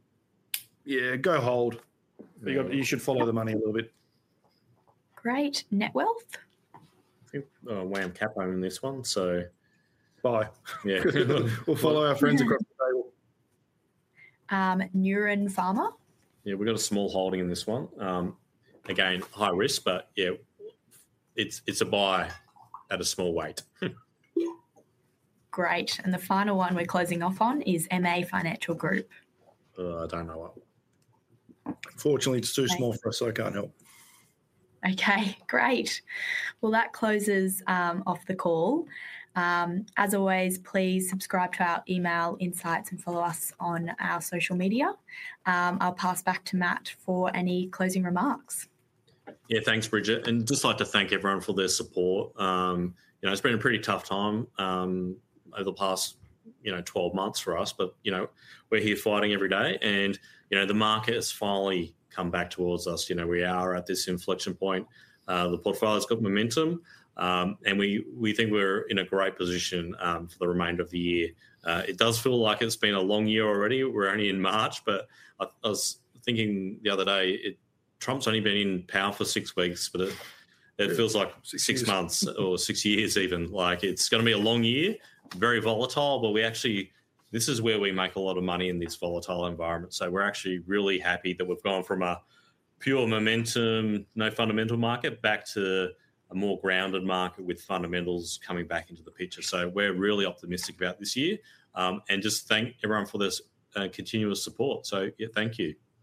yeah, go hold. Yeah. You should follow the money a little bit. Great. Netwealth. I think WAM Capital own this one. Buy. Yeah. We'll follow our friends across the table. Neuren Pharmaceuticals. Yeah, we've got a small holding in this one. Again, high risk, but yeah, it's a buy at a small weight. Great. The final one we're closing off on is MA Financial Group. I don't know it. Fortunately, it is too small for us. I cannot help. Okay, great. That closes off the call. As always, please subscribe to our email insights and follow us on our social media. I'll pass back to Matt for any closing remarks. Thanks, Bridget. I just like to thank everyone for their support. It's been a pretty tough time over the past 12 months for us, but we're here fighting every day, and the market has finally come back towards us. We are at this inflection point. The portfolio's got momentum, and we think we're in a great position for the remainder of the year. It does feel like it's been a long year already. We're only in March, but I was thinking the other day, Trump's only been in power for six weeks, but it feels like six months or six years even. It's going to be a long year, very volatile, but this is where we make a lot of money in these volatile environments. We're actually really happy that we've gone from a pure momentum, no fundamental market, back to a more grounded market with fundamentals coming back into the picture. We're really optimistic about this year, and just thank everyone for their continuous support. Yeah, thank you.